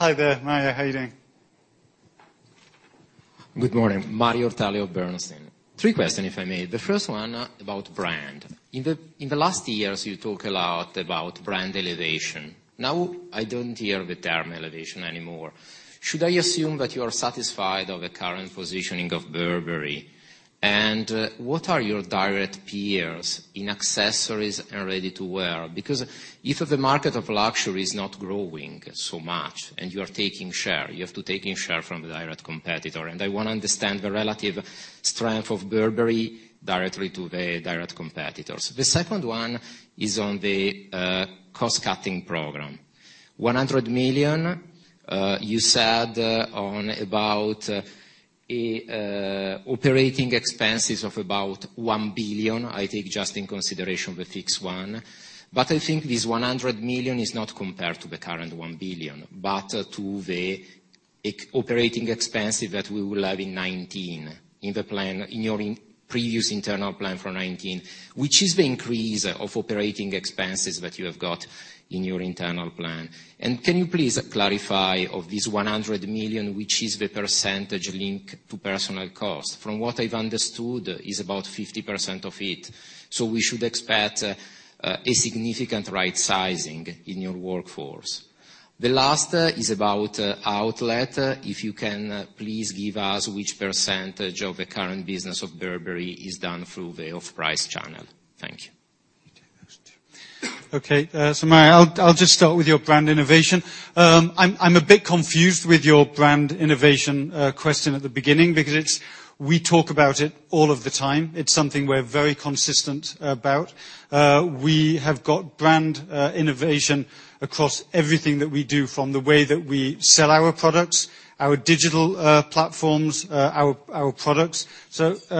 Hi there, Mario. How are you doing? Good morning. Mario Ortelli of Bernstein. Three questions if I may. The first one about brand. In the last years, you talk a lot about brand elevation. Now, I don't hear the term elevation anymore. Should I assume that you are satisfied of the current positioning of Burberry? What are your direct peers in accessories and ready-to-wear? Because if the market of luxury is not growing so much and you are taking share, you have to taking share from the direct competitor. I want to understand the relative strength of Burberry directly to the direct competitors. The second one is on the cost-cutting program. 100 million, you said on about operating expenses of about 1 billion, I take just in consideration the fixed one. I think this 100 million is not compared to the current 1 billion, but to the OpEx that we will have in FY19, in your previous internal plan for FY19, which is the increase of OpEx that you have got in your internal plan? Can you please clarify of this 100 million, which is the percentage link to personal cost? From what I've understood, is about 50% of it. We should expect a significant right sizing in your workforce. The last is about outlet. If you can please give us which percentage of the current business of Burberry is done through the off-price channel. Thank you. Mario, I'll just start with your brand innovation. I'm a bit confused with your brand innovation question at the beginning because we talk about it all of the time. It's something we're very consistent about. We have got brand innovation across everything that we do, from the way that we sell our products, our digital platforms, our products. Just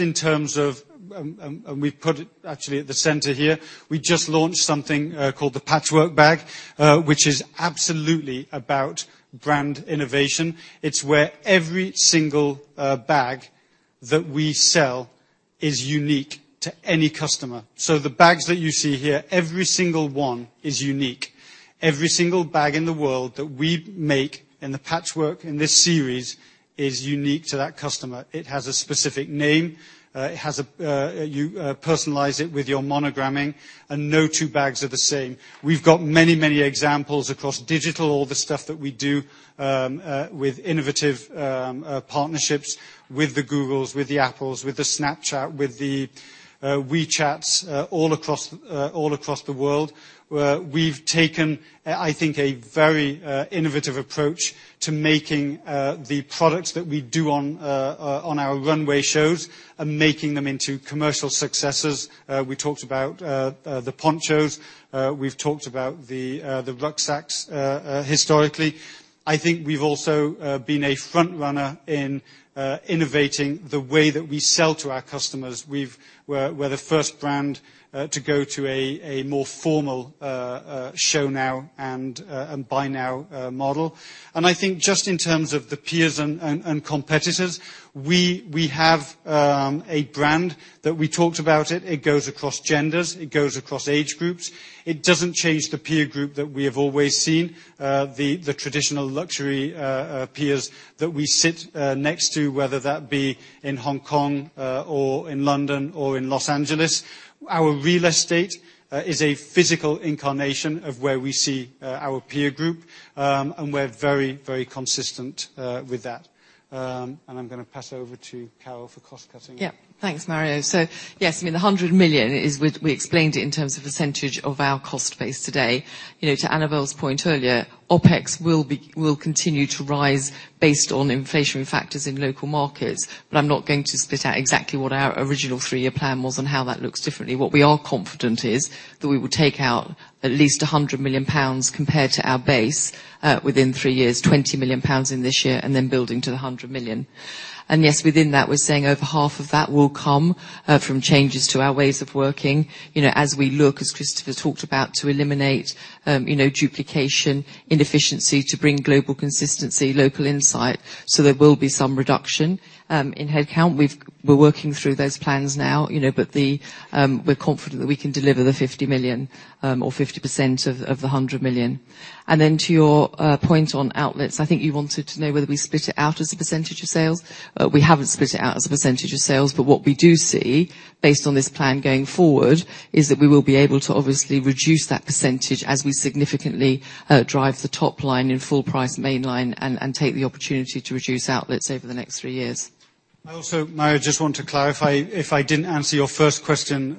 in terms of, and we put it actually at the center here. We just launched something called the Patchwork bag, which is absolutely about brand innovation. It's where every single bag that we sell is unique to any customer. The bags that you see here, every single one is unique. Every single bag in the world that we make in the patchwork in this series is unique to that customer. It has a specific name. You personalize it with your monogramming, and no two bags are the same. We've got many, many examples across digital, all the stuff that we do with innovative partnerships, with the Googles, with the Apples, with the Snapchat, with the WeChats all across the world, where we've taken, I think, a very innovative approach to making the products that we do on our runway shows and making them into commercial successes. We talked about the ponchos. We've talked about the rucksacks historically. I think we've also been a frontrunner in innovating the way that we sell to our customers. We're the first brand to go to a more formal show now and buy now model. I think just in terms of the peers and competitors, we have a brand that we talked about. It goes across genders, it goes across age groups. It doesn't change the peer group that we have always seen, the traditional luxury peers that we sit next to, whether that be in Hong Kong or in London or in Los Angeles. Our real estate is a physical incarnation of where we see our peer group, and we're very consistent with that. I'm going to pass over to Carol for cost-cutting. Thanks, Mario. Yes, the 100 million, we explained it in terms of percentage of our cost base today. To Annabel's point earlier, OpEx will continue to rise based on inflationary factors in local markets. I'm not going to split out exactly what our original three-year plan was and how that looks differently. What we are confident is that we will take out at least 100 million pounds compared to our base within three years, 20 million pounds in this year, then building to the 100 million. Yes, within that, we're saying over half of that will come from changes to our ways of working. As we look, as Christopher talked about, to eliminate duplication, inefficiency to bring global consistency, local insight. There will be some reduction in headcount. We're working through those plans now. We're confident that we can deliver the 50 million or 50% of the 100 million. Then to your point on outlets, I think you wanted to know whether we split it out as a percentage of sales. We haven't split it out as a percentage of sales, what we do see, based on this plan going forward, is that we will be able to obviously reduce that percentage as we significantly drive the top line in full price mainline and take the opportunity to reduce outlets over the next three years. Mario, just want to clarify if I didn't answer your first question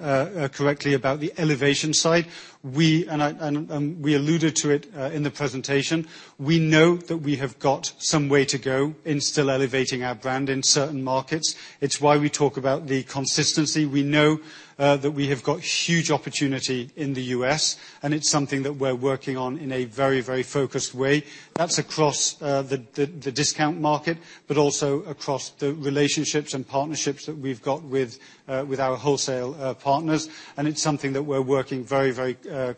correctly about the elevation side. We alluded to it in the presentation. We know that we have got some way to go in still elevating our brand in certain markets. It's why we talk about the consistency. We know that we have got huge opportunity in the U.S., it's something that we're working on in a very focused way. That's across the discount market, also across the relationships and partnerships that we've got with our wholesale partners, it's something that we're working very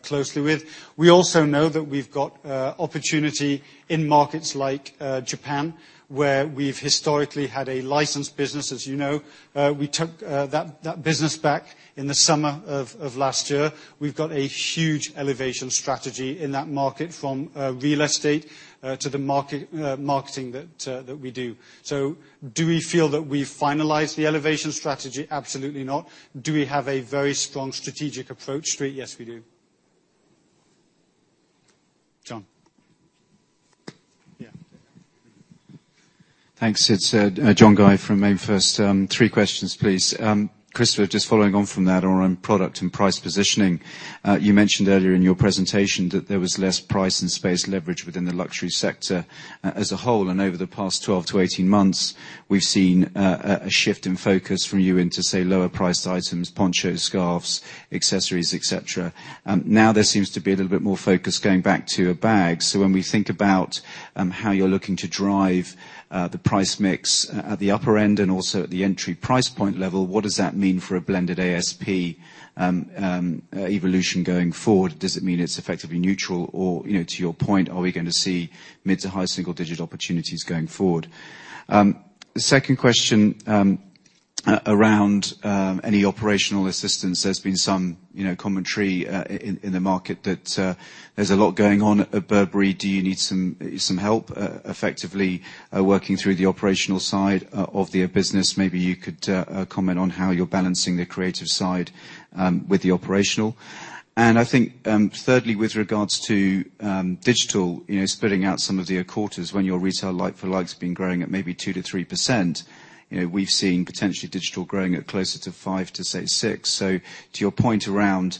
closely with. We know that we've got opportunity in markets like Japan, where we've historically had a licensed business, as you know. We took that business back in the summer of last year. We've got a huge elevation strategy in that market from real estate to the marketing that we do. Do we feel that we've finalized the elevation strategy? Absolutely not. Do we have a very strong strategic approach to it? Yes, we do. John. Thanks. It is John Guy from MainFirst. Three questions, please. Christopher, just following on from that around product and price positioning. You mentioned earlier in your presentation that there was less price and space leverage within the luxury sector as a whole, over the past 12-18 months, we have seen a shift in focus from you into, say, lower priced items, ponchos, scarves, accessories, et cetera. There seems to be a little bit more focus going back to a bag. When we think about how you are looking to drive the price mix at the upper end and also at the entry price point level, what does that mean for a blended ASP evolution going forward? Does it mean it is effectively neutral or, to your point, are we going to see mid to high single-digit opportunities going forward? Second question, around any operational assistance? There has been some commentary in the market that there is a lot going on at Burberry. Do you need some help effectively working through the operational side of the business? Maybe you could comment on how you are balancing the creative side with the operational. I think thirdly, with regards to digital, splitting out some of the quarters when your retail like-for-like has been growing at maybe 2%-3%. We have seen potentially digital growing at closer to 5%-6%. To your point around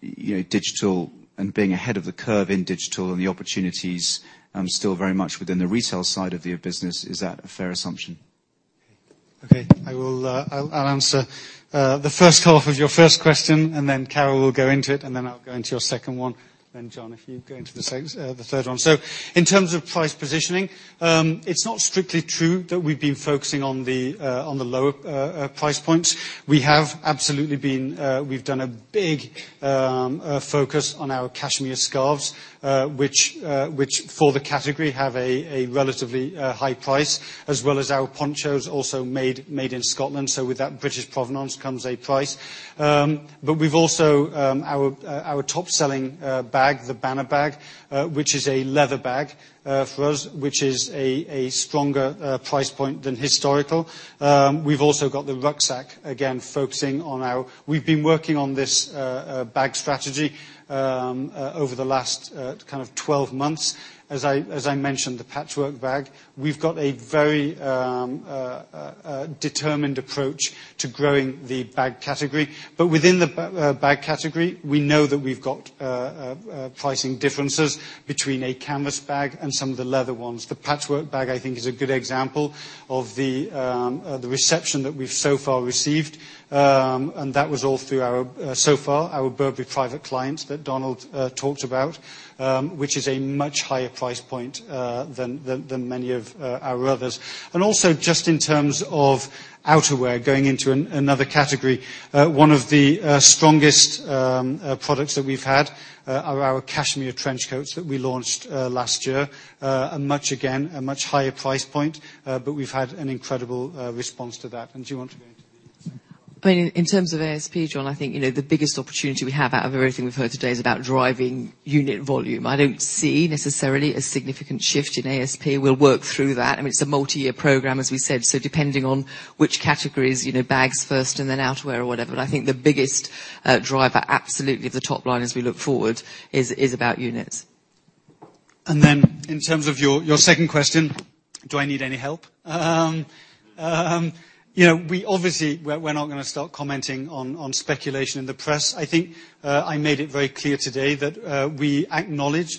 digital and being ahead of the curve in digital and the opportunities still very much within the retail side of your business, is that a fair assumption? Okay. I will answer the first half of your first question, and then Carol will go into it, and then I will go into your second one. John, if you go into the third one. In terms of price positioning, it is not strictly true that we have been focusing on the lower price points. We have absolutely been. We have done a big focus on our cashmere scarves, which for the category have a relatively high price, as well as our ponchos also made in Scotland. With that British provenance comes a price. We have also, our top selling bag, the Banner bag, which is a leather bag, for us, which is a stronger price point than historical. We have also got the rucksack, again, focusing on our We have been working on this bag strategy over the last 12 months. As I mentioned, the Patchwork bag. We have got a very determined approach to growing the bag category. Within the bag category, we know that we have got pricing differences between a canvas bag and some of the leather ones. The Patchwork bag, I think, is a good example of the reception that we have so far received. That was all through, so far, our Burberry Private Clients that Donald talked about, which is a much higher price point than many of our others. Also, just in terms of outerwear, going into another category, one of the strongest products that we have had are our cashmere trench coats that we launched last year. Much, again, a much higher price point. We have had an incredible response to that. Do you want to go into the second one? In terms of ASP, John, the biggest opportunity we have out of everything we've heard today is about driving unit volume. I don't see necessarily a significant shift in ASP. We'll work through that. I mean, it's a multi-year program, as we said, so depending on which categories, bags first and then outerwear or whatever. I think the biggest driver absolutely of the top line as we look forward is about units. In terms of your second question, do I need any help? Obviously, we're not going to start commenting on speculation in the press. I think I made it very clear today that we acknowledge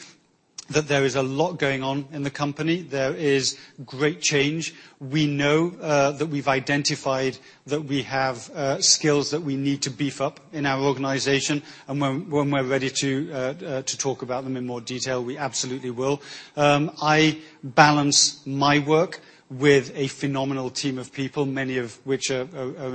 that there is a lot going on in the company. There is great change. We know that we've identified that we have skills that we need to beef up in our organization. When we're ready to talk about them in more detail, we absolutely will. I balance my work with a phenomenal team of people, many of which are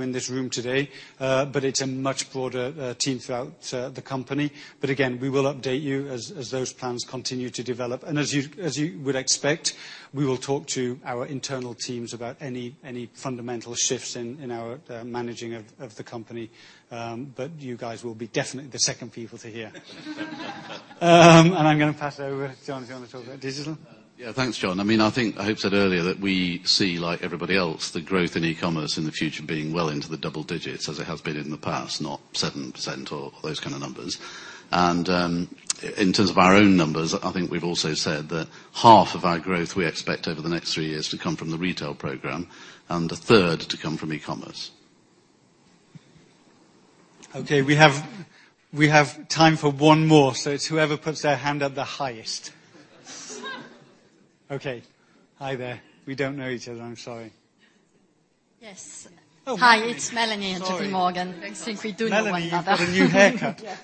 in this room today. It's a much broader team throughout the company. Again, we will update you as those plans continue to develop. As you would expect, we will talk to our internal teams about any fundamental shifts in our managing of the company. You guys will be definitely the second people to hear. I'm going to pass over. John, do you want to talk about digital? Yeah. Thanks, John. I think I said earlier that we see, like everybody else, the growth in e-commerce in the future being well into the double digits as it has been in the past, not 7% or those kind of numbers. In terms of our own numbers, I think we've also said that half of our growth we expect over the next three years to come from the retail program, and a third to come from e-commerce. Okay. We have time for one more, so it's whoever puts their hand up the highest. Okay. Hi there. We don't know each other. I'm sorry. Yes. Oh, Mélanie. Hi, it's Mélanie, J.P. Morgan. Sorry. I think we do know one another. Mélanie, you've got a new haircut.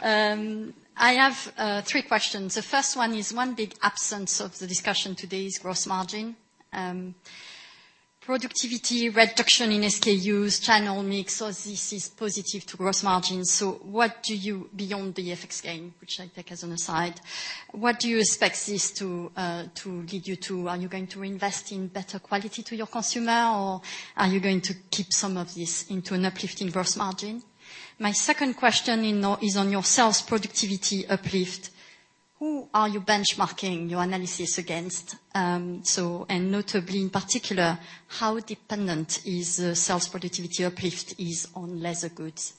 Yes. I have three questions. The first one is, one big absence of the discussion today is gross margin. Productivity reduction in SKUs, channel mix, this is positive to gross margin. What do you, beyond the FX gain, which I take as an aside, what do you expect this to lead you to? Are you going to invest in better quality to your consumer, or are you going to keep some of this into an uplift in gross margin? My second question is on your sales productivity uplift. Who are you benchmarking your analysis against? Notably, in particular, how dependent is the sales productivity uplift is on leather goods?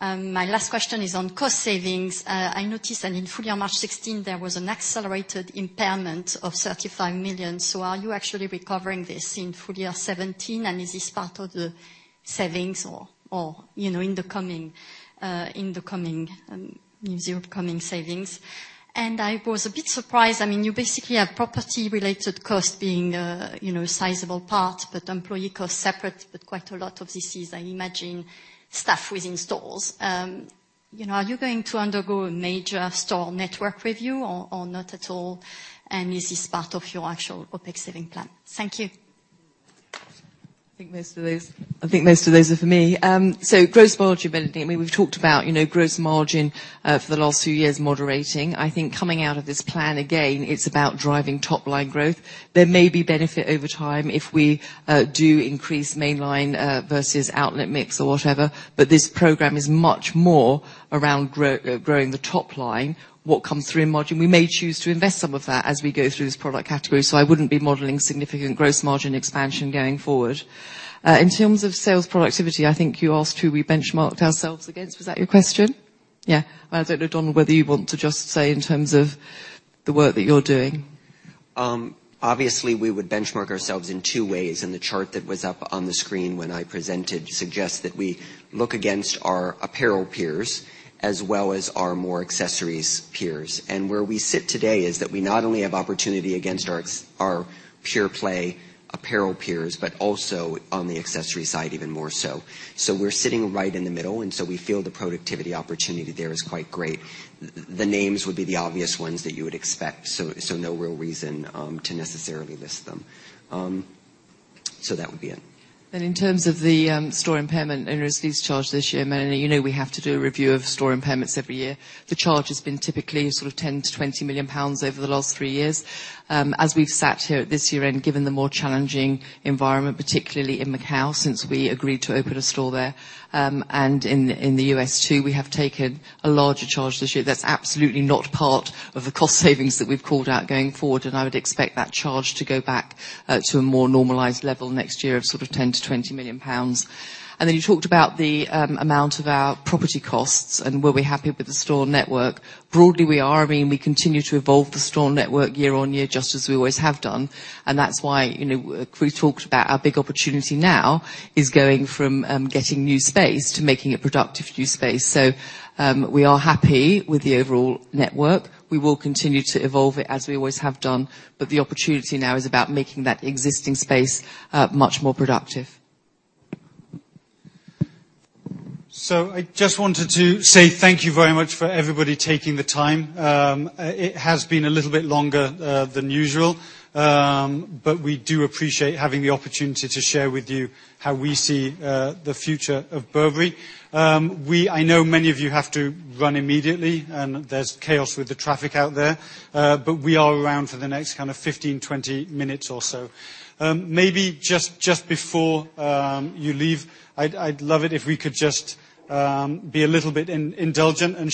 My last question is on cost savings. I noticed that in FY 2016, there was an accelerated impairment of 35 million. Are you actually recovering this in FY 2017, is this part of the savings or in the coming new upcoming savings? I was a bit surprised, you basically have property related cost being a sizable part, but employee costs separate, but quite a lot of this is, I imagine, staff within stores. Are you going to undergo a major store network review or not at all? Is this part of your actual OpEx saving plan? Thank you. I think most of those are for me. Gross margin, Melanie. We've talked about gross margin for the last few years moderating. I think coming out of this plan, again, it's about driving top-line growth. There may be benefit over time if we do increase mainline versus outlet mix or whatever. This program is much more around growing the top line. What comes through in margin, we may choose to invest some of that as we go through this product category. I wouldn't be modeling significant gross margin expansion going forward. In terms of sales productivity, I think you asked who we benchmarked ourselves against. Was that your question? Yeah. I don't know, Donald, whether you want to just say in terms of the work that you're doing. We would benchmark ourselves in two ways, the chart that was up on the screen when I presented suggests that we look against our apparel peers as well as our more accessories peers. Where we sit today is that we not only have opportunity against our pure play apparel peers, but also on the accessory side even more so. We're sitting right in the middle, we feel the productivity opportunity there is quite great. The names would be the obvious ones that you would expect. No real reason to necessarily list them. That would be it. In terms of the store impairment and lease charge this year, Mélanie, you know we have to do a review of store impairments every year. The charge has been typically sort of 10 million-20 million pounds over the last three years. As we've sat here at this year-end, given the more challenging environment, particularly in Macau, since we agreed to open a store there, and in the U.S. too, we have taken a larger charge this year. That's absolutely not part of the cost savings that we've called out going forward. I would expect that charge to go back to a more normalized level next year of sort of 10 million-20 million pounds. You talked about the amount of our property costs and were we happy with the store network. Broadly, we are. We continue to evolve the store network year-over-year, just as we always have done. That's why, Chris talked about our big opportunity now is going from getting new space to making it productive new space. We are happy with the overall network. We will continue to evolve it as we always have done. The opportunity now is about making that existing space much more productive. I just wanted to say thank you very much for everybody taking the time. It has been a little bit longer than usual. We do appreciate having the opportunity to share with you how we see the future of Burberry. I know many of you have to run immediately, and there's chaos with the traffic out there. We are around for the next kind of 15, 20 minutes or so. Maybe just before you leave, I'd love it if we could just be a little bit indulgent.